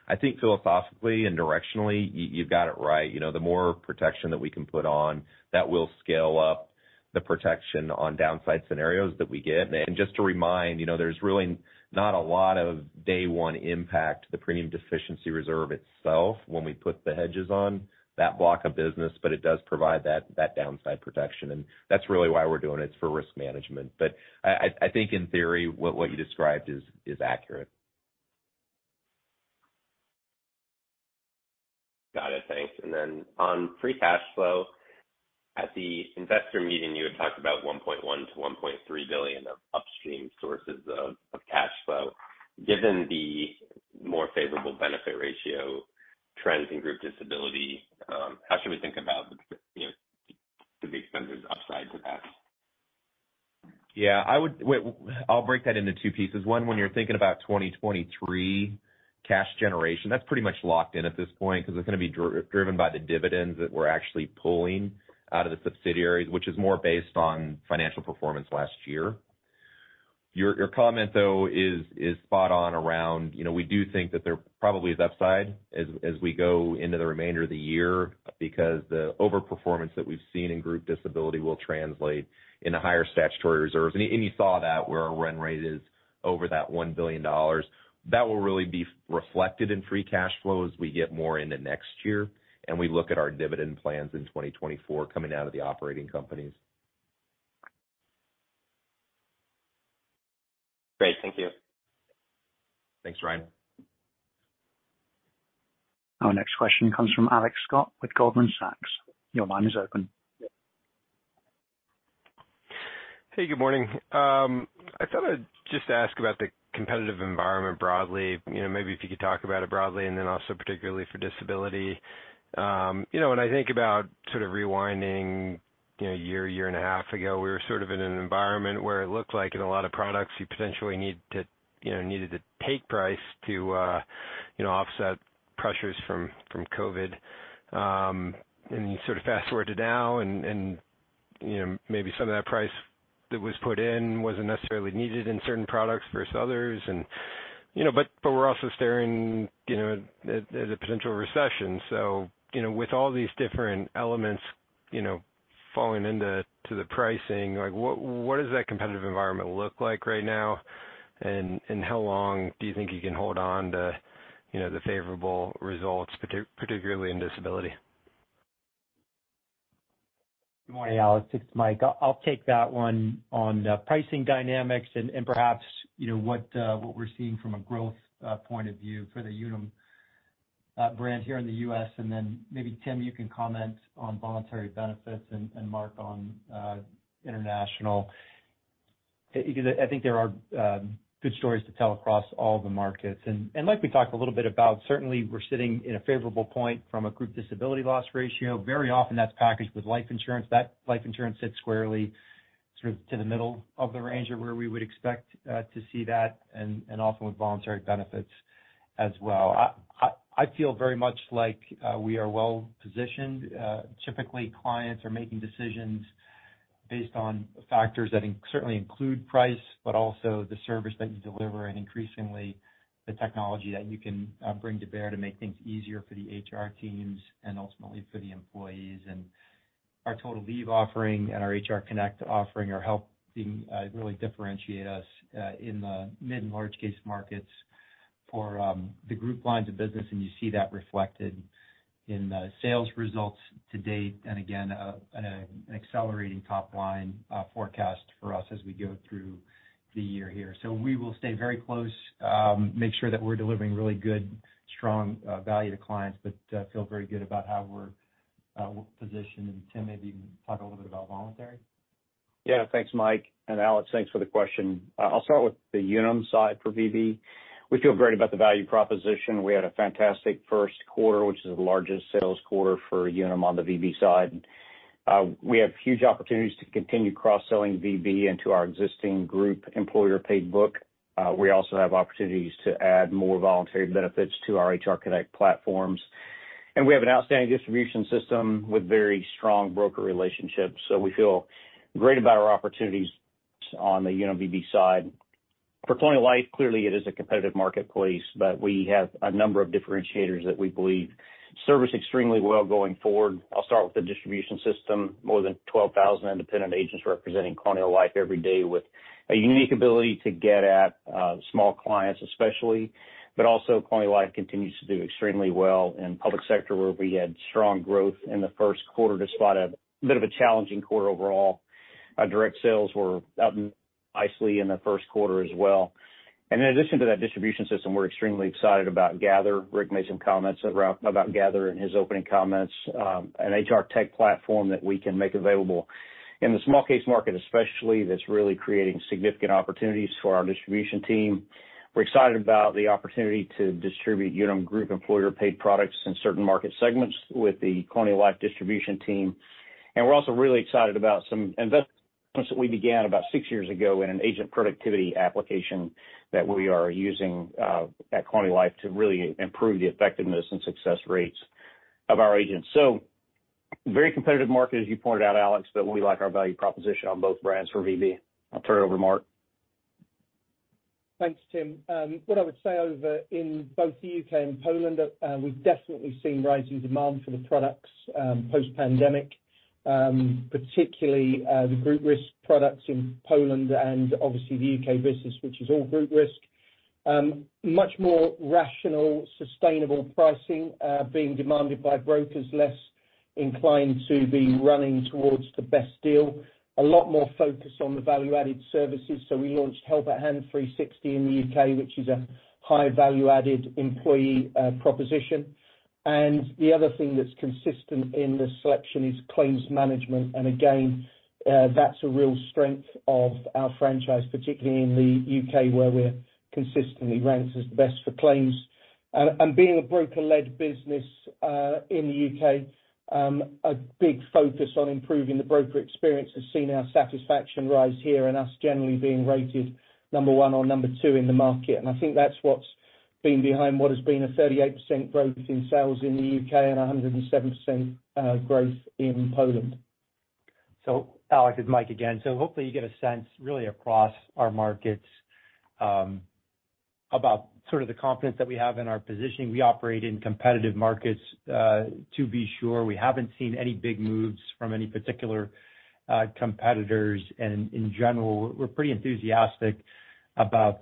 I think philosophically and directionally, you've got it right. You know, the more protection that we can put on, that will scale up the protection on downside scenarios that we get. Just to remind, you know, there's really not a lot of day 1 impact to the premium deficiency reserve itself when we put the hedges on that block of business, but it does provide that downside protection. That's really why we're doing it's for risk management. I think in theory, what you described is accurate.
Got it. Thanks. On free cash flow, at the investor meeting, you had talked about $1.1 billion-1.3 billion of upstream sources of cash flow. Given the more favorable benefit ratio trends in group disability, how should we think about the, you know, the expenses upside to that?
I'll break that into two pieces. One, when you're thinking about 2023 cash generation, that's pretty much locked in at this point because it's gonna be driven by the dividends that we're actually pulling out of the subsidiaries, which is more based on financial performance last year. Your comment, though, is spot on around, you know, we do think that there probably is upside as we go into the remainder of the year because the overperformance that we've seen in group disability will translate into higher statutory reserves. You saw that where our run rate is over that $1 billion. That will really be reflected in free cash flow as we get more into next year, and we look at our dividend plans in 2024 coming out of the operating companies.
Great. Thank you.
Thanks, Ryan.
Our next question comes from Alex Scott with Goldman Sachs. Your line is open.
Hey, good morning. I thought I'd just ask about the competitive environment broadly. You know, maybe if you could talk about it broadly, and then also particularly for disability. You know, when I think about sort of rewinding, you know, a year and a half ago, we were sort of in an environment where it looked like in a lot of products you potentially need to, you know, needed to take price to, you know, offset pressures from COVID. You sort of fast-forward to now and, you know, maybe some of that price that was put in wasn't necessarily needed in certain products versus others. You know, but we're also staring, you know, at a potential recession. you know, with all these different elements, you know, falling into the pricing, like, what does that competitive environment look like right now? how long do you think you can hold on to, you know, the favorable results, particularly in disability?
Good morning, Alex. It's Mike. I'll take that one on pricing dynamics and perhaps, you know, what we're seeing from a growth point of view for the Unum brand here in the U.S. Maybe, Tim, you can comment on voluntary benefits and Mark on international. Because I think there are good stories to tell across all the markets. Like we talked a little bit about, certainly we're sitting in a favorable point from a group disability loss ratio. Very often that's packaged with life insurance. That life insurance sits squarely sort of to the middle of the range of where we would expect to see that, and also with voluntary benefits as well. I feel very much like we are well positioned. Typically clients are making decisions based on factors that certainly include price, but also the service that you deliver, and increasingly the technology that you can bring to bear to make things easier for the HR teams and ultimately for the employees. Our Total Leave offering and our HR Connect offering are helping really differentiate us in the mid and large case markets for the group lines of business, and you see that reflected in the sales results to date. Again, an accelerating top line forecast for us as we go through the year here. We will stay very close, make sure that we're delivering really good, strong value to clients, but feel very good about how we're positioned. Tim, maybe you can talk a little bit about voluntary. Yeah. Thanks, Mike. Alex, thanks for the question. I'll start with the Unum side for VB. We feel great about the value proposition. We had a fantastic Q1, which is the largest sales quarter for Unum on the VB side. We have huge opportunities to continue cross-selling VB into our existing group employer paid book. We also have opportunities to add more voluntary benefits to our HR Connect platforms. We have an outstanding distribution system with very strong broker relationships. We feel great about our opportunities on the Unum VB side. For Colonial Life, clearly it is a competitive marketplace, but we have a number of differentiators that we believe service extremely well going forward. I'll start with the distribution system, more than 12,000 independent agents representing Colonial Life every day with a unique ability to get at small clients especially.
Also Colonial Life continues to do extremely well in public sector, where we had strong growth in the Q1 despite a bit of a challenging quarter overall.
Our direct sales were up nicely in the Q1 as well. In addition to that distribution system, we're extremely excited about Gather. Rick made some comments about Gather in his opening comments, an HR tech platform that we can make available. In the small case market especially, that's really creating significant opportunities for our distribution team. We're excited about the opportunity to distribute Unum Group employer paid products in certain market segments with the Colonial Life distribution team. We're also really excited about some investments that we began about six years ago in an agent productivity application that we are using at Colonial Life to really improve the effectiveness and success rates of our agents. Very competitive market, as you pointed out, Alex, but we like our value proposition on both brands for VB. I'll turn it over to Mark.
Thanks, Tim. What I would say over in both the UK and Poland, we've definitely seen rising demand for the products, post-pandemic, particularly the group risk products in Poland and obviously the UK business, which is all group risk. Much more rational, sustainable pricing, being demanded by brokers less inclined to be running towards the best deal. A lot more focus on the value-added services. We launched Help@hand 360 in the UK, which is a high value-added employee proposition. The other thing that's consistent in this selection is claims management. Again, that's a real strength of our franchise, particularly in the UK, where we're consistently ranked as the best for claims. Being a broker-led business in the UK, a big focus on improving the broker experience has seen our satisfaction rise here and us generally being rated number 1 or number 2 in the market. I think that's what's been behind what has been a 38% growth in sales in the UK and 107% growth in Poland.
Alex, it's Mike again. Hopefully you get a sense really across our markets, about sort of the confidence that we have in our positioning. We operate in competitive markets, to be sure. We haven't seen any big moves from any particular competitors. In general, we're pretty enthusiastic about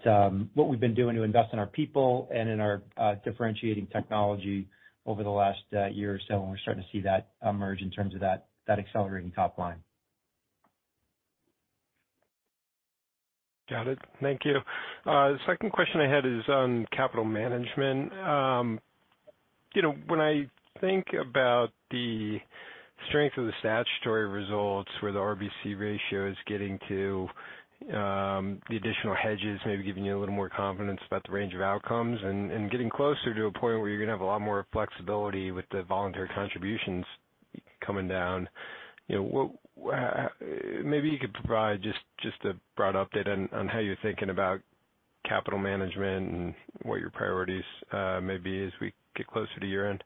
what we've been doing to invest in our people and in our differentiating technology over the last year or so. We're starting to see that emerge in terms of that accelerating top line.
Got it. Thank you. The second question I had is on capital management. You know when I think about the strength of the statutory results where the RBC ratio is getting to, the additional hedges, maybe giving you a little more confidence about the range of outcomes and getting closer to a point where you're going to have a lot more flexibility with the voluntary contributions coming down. You know, maybe you could provide just a broad update on how you're thinking about capital management and what your priorities may be as we get closer to year-end.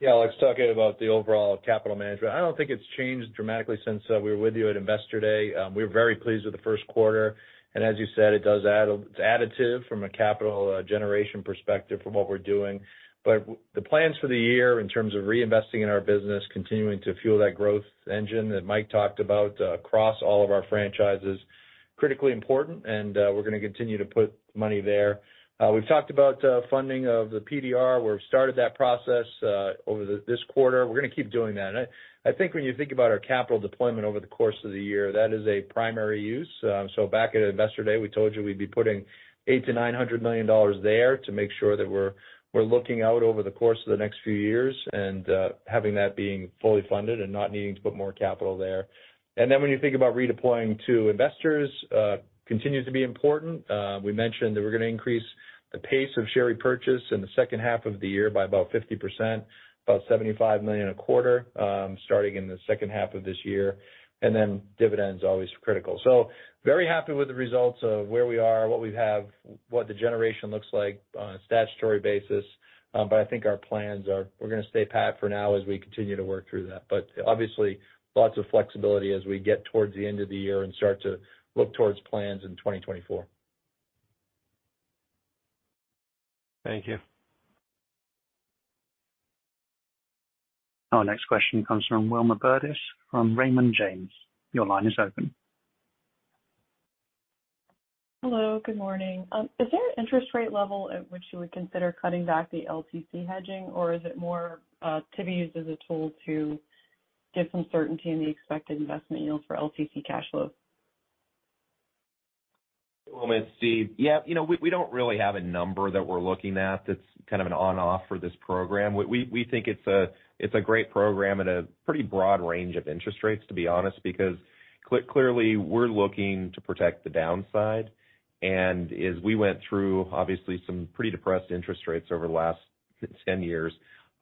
Yeah, Alex, talking about the overall capital management, I don't think it's changed dramatically since we were with you at Investor Day. We're very pleased with the first quarter, and as you said, it's additive from a capital generation perspective from what we're doing. The plans for the year in terms of reinvesting in our business, continuing to fuel that growth engine that Mike talked about across all of our franchises, critically important, and we're going to continue to put money there. We've talked about funding of the PDR. We've started that process over this quarter. We're going to keep doing that. I think when you think about our capital deployment over the course of the year, that is a primary use. Back at Investor Day, we told you we'd be putting $800 million-900 million there to make sure that we're looking out over the course of the next few years and having that being fully funded and not needing to put more capital there. When you think about redeploying to investors, continues to be important. We mentioned that we're going to increase the pace of share repurchase in the second half of the year by about 50%, about $75 million a quarter, starting in the second half of this year. Dividend's always critical. Very happy with the results of where we are, what we have, what the generation looks like on a statutory basis. I think our plans are we're going to stay pat for now as we continue to work through that. Obviously, lots of flexibility as we get towards the end of the year and start to look towards plans in 2024.
Thank you.
Our next question comes from Wilma Burdis from Raymond James. Your line is open.
Hello, good morning. Is there an interest rate level at which you would consider cutting back the LTC hedging, or is it more to be used as a tool to get some certainty in the expected investment yields for LTC cash flows?
Wilma, it's Steve. Yeah, you know, we don't really have a number that we're looking at that's kind of an on/off for this program. We think it's a great program at a pretty broad range of interest rates, to be honest, because clearly, we're looking to protect the downside. As we went through, obviously, some pretty depressed interest rates over the last 10 years,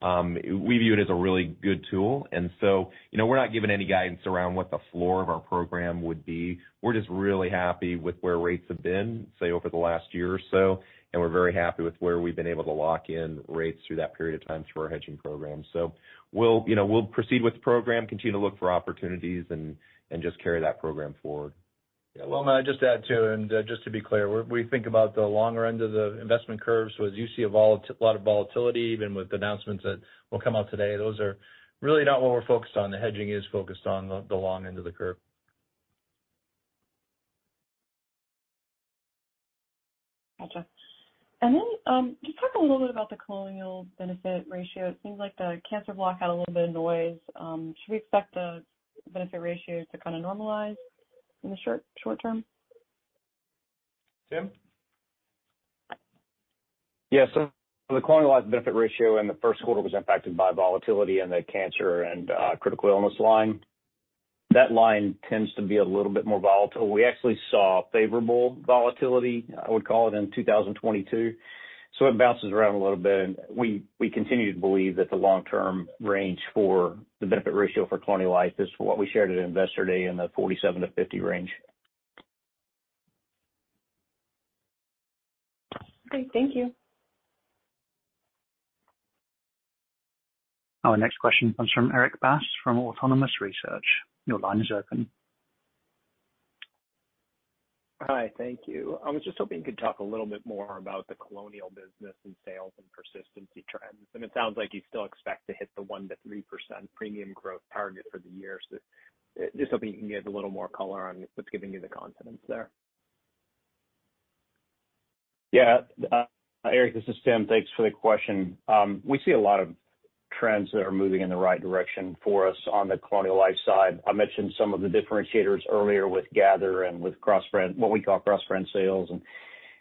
we view it as a really good tool. You know, we're not giving any guidance around what the floor of our program would be. We're just really happy with where rates have been, say, over the last year or so, and we're very happy with where we've been able to lock in rates through that period of time through our hedging program. We'll, you know, we'll proceed with the program, continue to look for opportunities and just carry that program forward.
Yeah. Wilma, I'd just add, too, and just to be clear, we think about the longer end of the investment curves, where you see a lot of volatility, even with announcements that will come out today. Those are really not what we're focused on. The hedging is focused on the long end of the curve.
Gotcha. Just talk a little bit about the Colonial benefit ratio. It seems like the cancer block had a little bit of noise. Should we expect the benefit ratio to kind of normalize in the short term?
Tim?
Yes. The Colonial Life benefit ratio in the first quarter was impacted by volatility in the cancer and critical illness line. That line tends to be a little bit more volatile. We actually saw favorable volatility, I would call it, in 2022. It bounces around a little bit, and we continue to believe that the long-term range for the benefit ratio for Colonial Life is what we shared at Investor Day in the 47-50% range.
Great. Thank you.
Our next question comes from Erik Bass from Autonomous Research. Your line is open.
Hi. Thank you. I was just hoping you could talk a little bit more about the Colonial business and sales and persistency trends. It sounds like you still expect to hit the 1-3% premium growth target for the year. Just hoping you can give a little more color on what's giving you the confidence there.
Yeah. Erik, this is Tim. Thanks for the question. We see a lot of trends that are moving in the right direction for us on the Colonial Life side. I mentioned some of the differentiators earlier with Gather and with cross-brand, what we call cross-brand sales and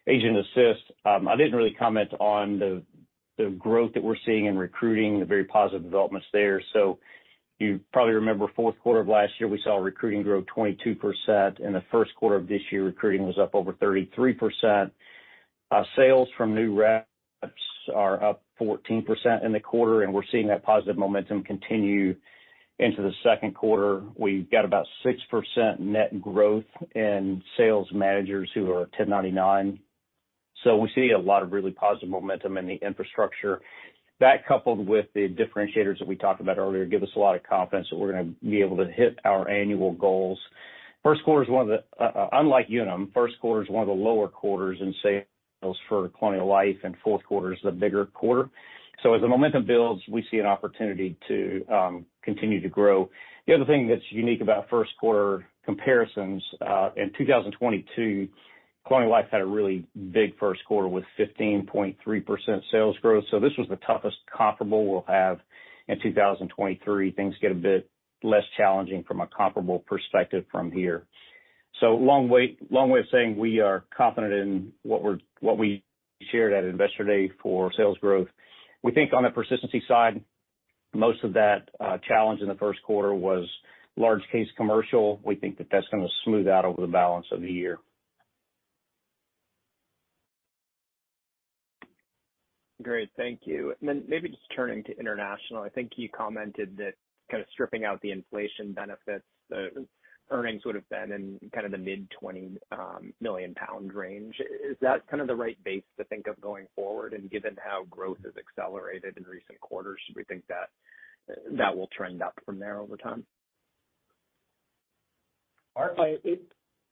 Agent Assist. I didn't really comment on the growth that we're seeing in recruiting, the very positive developments there. You probably remember fourth quarter of last year, we saw recruiting grow 22%. In the first quarter of this year, recruiting was up over 33%. Sales from new reps are up 14% in the quarter, and we're seeing that positive momentum continue into the second quarter. We've got about 6% net growth in sales managers who are 1099. We see a lot of really positive momentum in the infrastructure. That, coupled with the differentiators that we talked about earlier, give us a lot of confidence that we're gonna be able to hit our annual goals. First quarter is one of the, unlike Unum, first quarter is one of the lower quarters in sales for Colonial Life, and fourth quarter is the bigger quarter. As the momentum builds, we see an opportunity to continue to grow. The other thing that's unique about first quarter comparisons, in 2022, Colonial Life had a really big first quarter with 15.3% sales growth. This was the toughest comparable we'll have in 2023. Things get a bit less challenging from a comparable perspective from here. Long way of saying we are confident in what we're, what we shared at Investor Day for sales growth. We think on the persistency side, most of that challenge in the first quarter was large case commercial. We think that that's gonna smooth out over the balance of the year.
Great. Thank you. Maybe just turning to Unum International, I think you commented that kind of stripping out the inflation benefits, the earnings would have been in kind of the mid-20 million GBP range. Is that kind of the right base to think of going forward? Given how growth has accelerated in recent quarters, should we think that that will trend up from there over time?
Mark?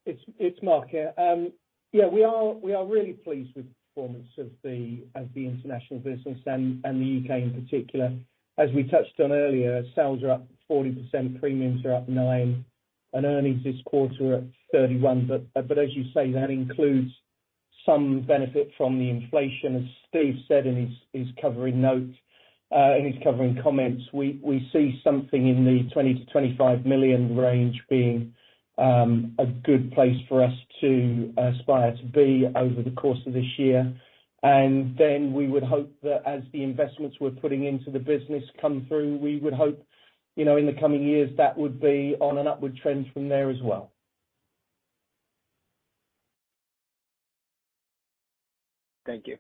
It's Mark Till here. We are really pleased with the performance of the Unum International business and the Unum UK in particular. As we touched on earlier, sales are up 40%, premiums are up 9%, and earnings this quarter are at 31 million. As you say, that includes some benefit from the inflation. As Steve Zabel said in his covering note, in his covering comments, we see something in the 20 million-25 million range being a good place for us to aspire to be over the course of this year. We would hope that as the investments we're putting into the business come through, we would hope, you know, in the coming years, that would be on an upward trend from there as well.
Thank you.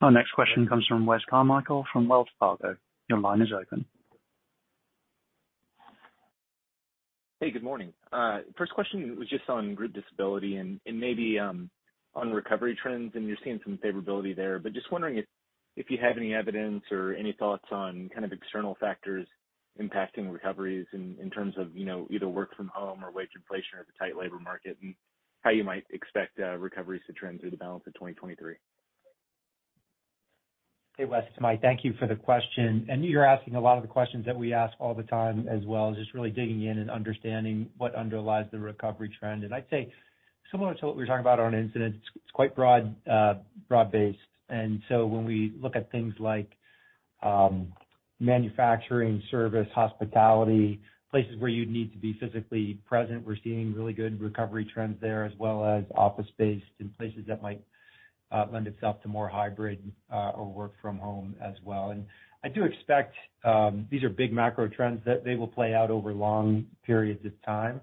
Our next question comes from Wes Carmichael from Wells Fargo. Your line is open.
Hey, good morning. First question was just on group disability and maybe on recovery trends, and you're seeing some favorability there. Just wondering if you have any evidence or any thoughts on kind of external factors impacting recoveries in terms of, you know, either work from home or wage inflation or the tight labor market, and how you might expect recoveries to trend through the balance of 2023.
Hey, Wes, it's Mike. Thank you for the question. You're asking a lot of the questions that we ask all the time as well, just really digging in and understanding what underlies the recovery trend. I'd say similar to what we were talking about on incident, it's quite broad-based. When we look at things like manufacturing, service, hospitality, places where you'd need to be physically present, we're seeing really good recovery trends there, as well as office space in places that might lend itself to more hybrid or work from home as well. I do expect, these are big macro trends, that they will play out over long periods of time.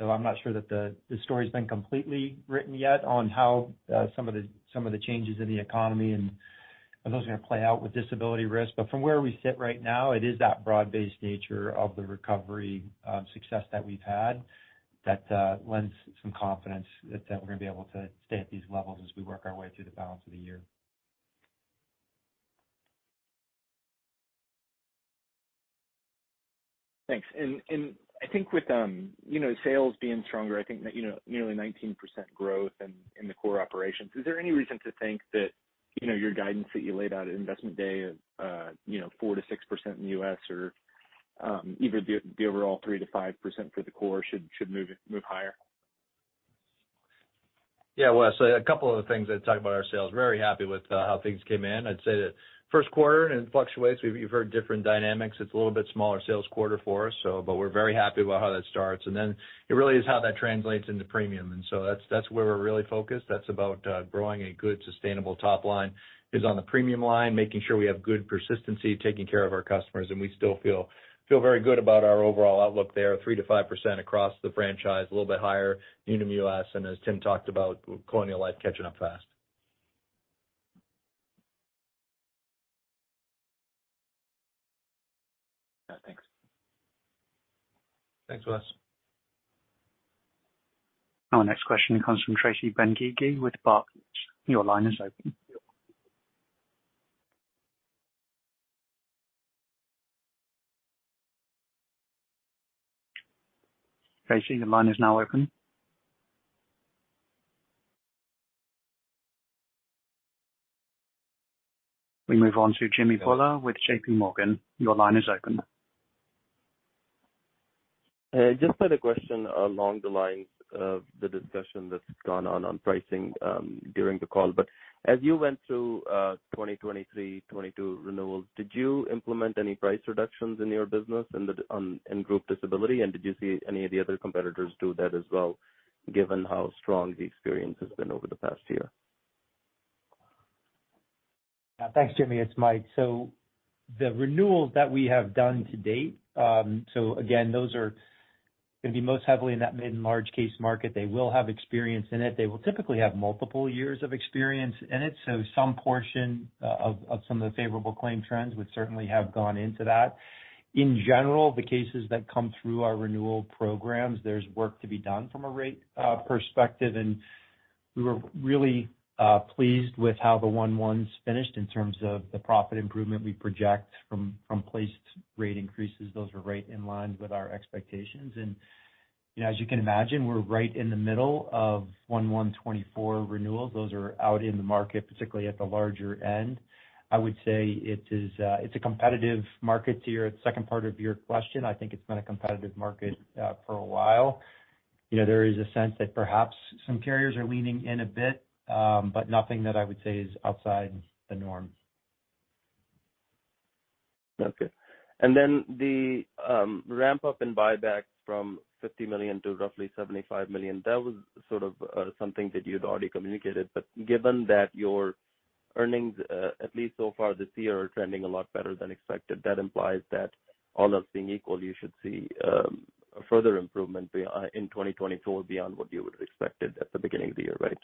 I'm not sure that the story's been completely written yet on how some of the changes in the economy and those are gonna play out with disability risk. From where we sit right now, it is that broad-based nature of the recovery, success that we've had that lends some confidence that we're gonna be able to stay at these levels as we work our way through the balance of the year.
Thanks. I think with, you know, sales being stronger, I think that, you know, nearly 19% growth in the core operations, is there any reason to think that, you know, your guidance that you laid out at Investor Day of, you know, 4-6% in the U.S. or?
Either the overall 3-5% for the core should move higher.
Yeah, Wes, a couple other things I'd talk about our sales. Very happy with how things came in. I'd say the first quarter, it fluctuates. We've, you've heard different dynamics. It's a little bit smaller sales quarter for us, so but we're very happy about how that starts. It really is how that translates into premium. That's where we're really focused. That's about growing a good sustainable top line is on the premium line, making sure we have good persistency taking care of our customers, and we still feel very good about our overall outlook there. 3-5% across the franchise, a little bit higher in the U.S., and as Tim talked about, Colonial Life catching up fast.
Yeah, thanks.
Thanks, Wes.
Our next question comes from Tracy Benguigui with Barclays. Your line is open. Tracy, the line is now open. We move on to Jimmy Bhullar with JP Morgan. Your line is open.
just had a question along the lines of the discussion that's gone on pricing, during the call. As you went through, 2023, 2022 renewals, did you implement any price reductions in your business in group disability? Did you see any of the other competitors do that as well, given how strong the experience has been over the past year?
Thanks, Jimmy. It's Mike. The renewals that we have done to date, again, those are gonna be most heavily in that mid and large case market. They will have experience in it. They will typically have multiple years of experience in it. Some portion of some of the favorable claim trends would certainly have gone into that. In general, the cases that come through our renewal programs, there's work to be done from a rate perspective, and we were really pleased with how the 1/1s finished in terms of the profit improvement we project from placed rate increases. Those were right in line with our expectations. You know, as you can imagine, we're right in the middle of 1/1 2024 renewals. Those are out in the market, particularly at the larger end. I would say it is, it's a competitive market. To your second part of your question, I think it's been a competitive market, for a while. You know, there is a sense that perhaps some carriers are leaning in a bit, but nothing that I would say is outside the norm.
Okay. The ramp up in buybacks from $50 million to roughly $75 million, that was sort of something that you'd already communicated. Given that your earnings, at least so far this year, are trending a lot better than expected, that implies that all else being equal, you should see a further improvement in 2024 beyond what you would have expected at the beginning of the year, right?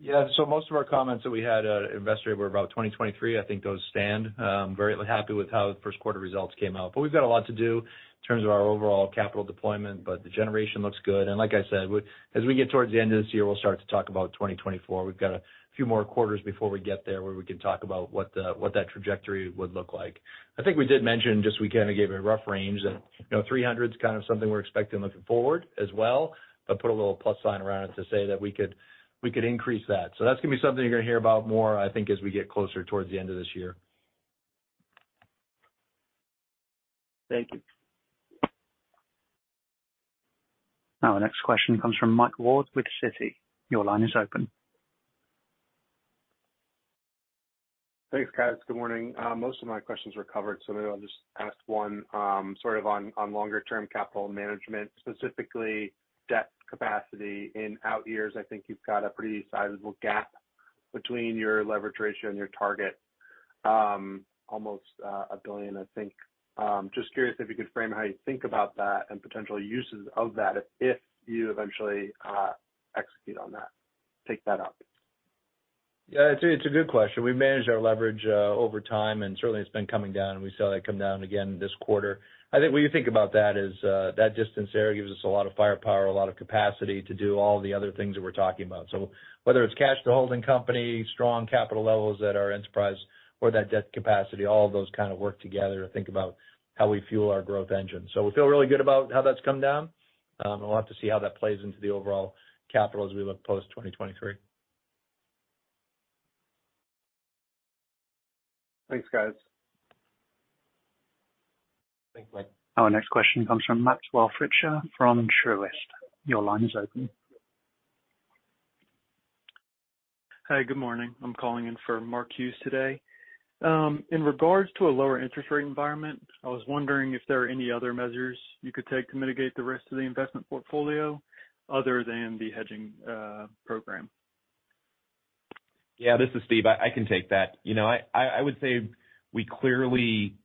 Most of our comments that we had at Investor Day were about 2023, I think those stand. Very happy with how the first quarter results came out. We've got a lot to do in terms of our overall capital deployment, but the generation looks good. Like I said, as we get towards the end of this year, we'll start to talk about 2024. We've got a few more quarters before we get there, where we can talk about what that trajectory would look like. I think we did mention just we kind of gave a rough range and, you know, $300's kind of something we're expecting looking forward as well, but put a little plus sign around it to say that we could increase that. That's gonna be something you're gonna hear about more, I think, as we get closer towards the end of this year.
Thank you.
Our next question comes from Mike Ward with Citi. Your line is open.
Thanks, guys. Good morning. Most of my questions were covered, maybe I'll just ask one, sort of on longer term capital management, specifically debt capacity in out years. I think you've got a pretty sizable gap between your leverage ratio and your target, almost $1 billion, I think. Just curious if you could frame how you think about that and potential uses of that if you eventually execute on that, take that up.
Yeah, it's a good question. We've managed our leverage over time. Certainly it's been coming down. We saw that come down again this quarter. I think when you think about that is that distance there gives us a lot of firepower, a lot of capacity to do all the other things that we're talking about. Whether it's cash to holding company, strong capital levels at our enterprise or that debt capacity, all of those kind of work together to think about how we fuel our growth engine. We feel really good about how that's come down. We'll have to see how that plays into the overall capital as we look post 2023.
Thanks, guys.
Thanks, Mike.
Our next question comes from Markell Fritscher from Truist Securities. Your line is open.
Hi, good morning. I'm calling in for Mark Hughes today. In regards to a lower interest rate environment, I was wondering if there are any other measures you could take to mitigate the risk to the investment portfolio other than the hedging program.
Yeah, this is Steve. I can take that. You know, I would say we clearly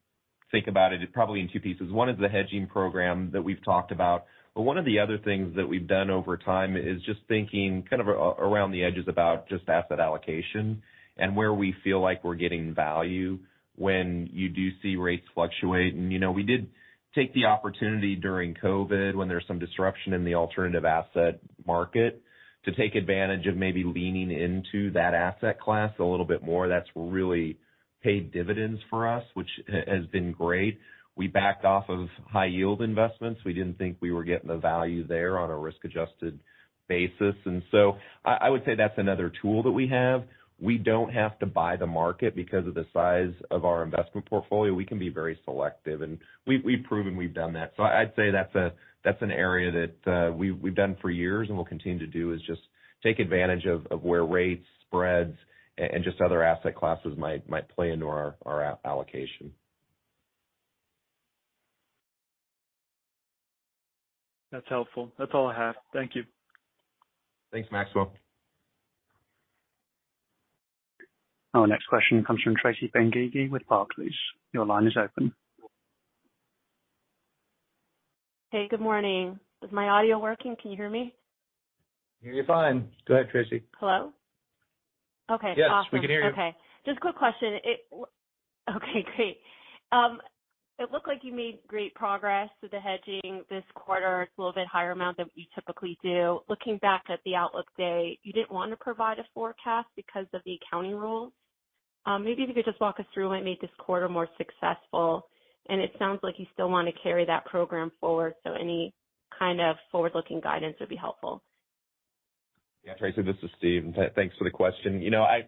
think about it probably in two pieces. One is the hedging program that we've talked about, but one of the other things that we've done over time is just thinking around the edges about just asset allocation and where we feel like we're getting value when you do see rates fluctuate. You know, we did take the opportunity during COVID when there was some disruption in the alternative asset market to take advantage of maybe leaning into that asset class a little bit more. That's really paid dividends for us, which has been great. We backed off of high yield investments. We didn't think we were getting the value there on a risk-adjusted basis. I would say that's another tool that we have. We don't have to buy the market because of the size of our investment portfolio. We can be very selective, and we've proven we've done that. I'd say that's an area that we've done for years and we'll continue to do, is just take advantage of where rates, spreads, and just other asset classes might play into our allocation.
That's helpful. That's all I have. Thank you.
Thanks, Markwell.
Our next question comes from Tracy Bengege with Barclays. Your line is open.
Hey, good morning. Is my audio working? Can you hear me?
Hear you fine. Go ahead, Tracy.
Hello? Okay, awesome.
Yes, we can hear you.
Okay, just a quick question. Okay, great. It looked like you made great progress with the hedging this quarter. It's a little bit higher amount than what you typically do. Looking back at the Investor Day, you didn't want to provide a forecast because of the accounting rules. Maybe if you could just walk us through what made this quarter more successful. It sounds like you still want to carry that program forward. Any kind of forward-looking guidance would be helpful.
Tracy, this is Steve. Thanks for the question. You know, I,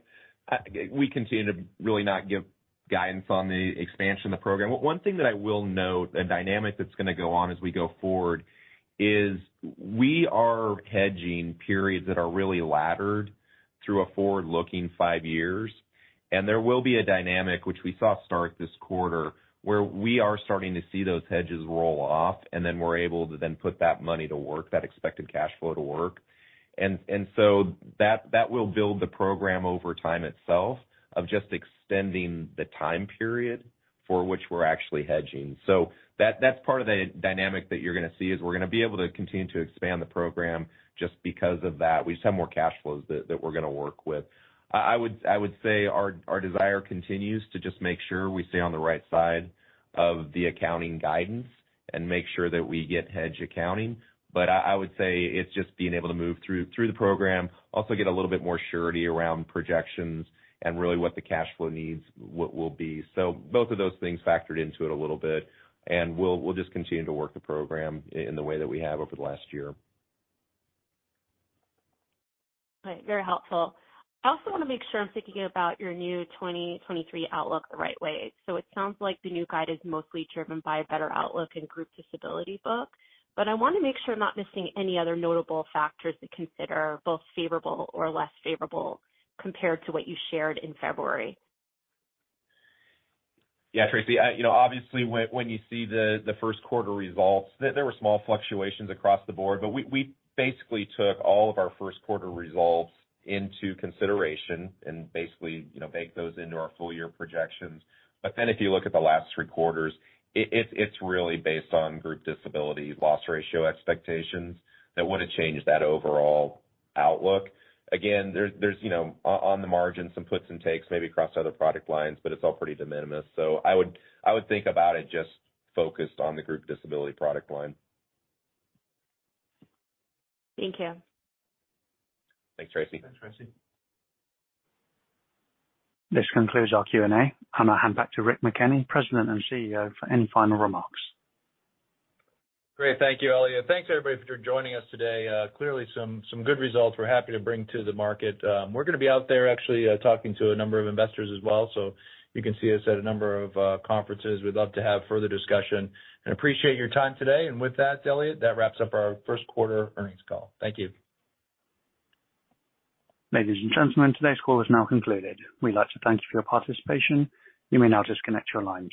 we continue to really not give guidance on the expansion of the program. One thing that I will note, a dynamic that's gonna go on as we go forward is we are hedging periods that are really laddered through a forward-looking 5 years. There will be a dynamic which we saw start this quarter, where we are starting to see those hedges roll off, and then we're able to then put that money to work, that expected cash flow to work. That will build the program over time itself of just extending the time period for which we're actually hedging. That's part of the dynamic that you're gonna see, is we're gonna be able to continue to expand the program just because of that. We just have more cash flows that we're gonna work with. I would say our desire continues to just make sure we stay on the right side of the accounting guidance and make sure that we get hedge accounting. I would say it's just being able to move through the program, also get a little bit more surety around projections and really what the cash flow needs will be. Both of those things factored into it a little bit, and we'll just continue to work the program in the way that we have over the last year.
Okay, very helpful. I also want to make sure I'm thinking about your new 2023 outlook the right way. It sounds like the new guide is mostly driven by a better outlook in group disability book. I want to make sure I'm not missing any other notable factors to consider, both favorable or less favorable compared to what you shared in February.
Yeah, Tracy. You know, obviously when you see the first quarter results, there were small fluctuations across the board, we basically took all of our first quarter results into consideration and basically, you know, baked those into our full year projections. If you look at the last three quarters, it's really based on group disability loss ratio expectations that would have changed that overall outlook. There's, you know, on the margins, some puts and takes maybe across other product lines, but it's all pretty de minimis. I would think about it just focused on the group disability product line.
Thank you.
Thanks, Tracy.
Thanks, Tracy. This concludes our Q&A. I'm gonna hand back to Rick McKenney, President and CEO, for any final remarks.
Great. Thank you, Elliot. Thanks, everybody, for joining us today. clearly some good results we're happy to bring to the market. we're gonna be out there actually, talking to a number of investors as well, so you can see us at a number of conferences. We'd love to have further discussion and appreciate your time today. With that, Elliot, that wraps up our first quarter earnings call. Thank you.
Ladies and gentlemen, today's call is now concluded. We'd like to thank you for your participation. You may now disconnect your lines.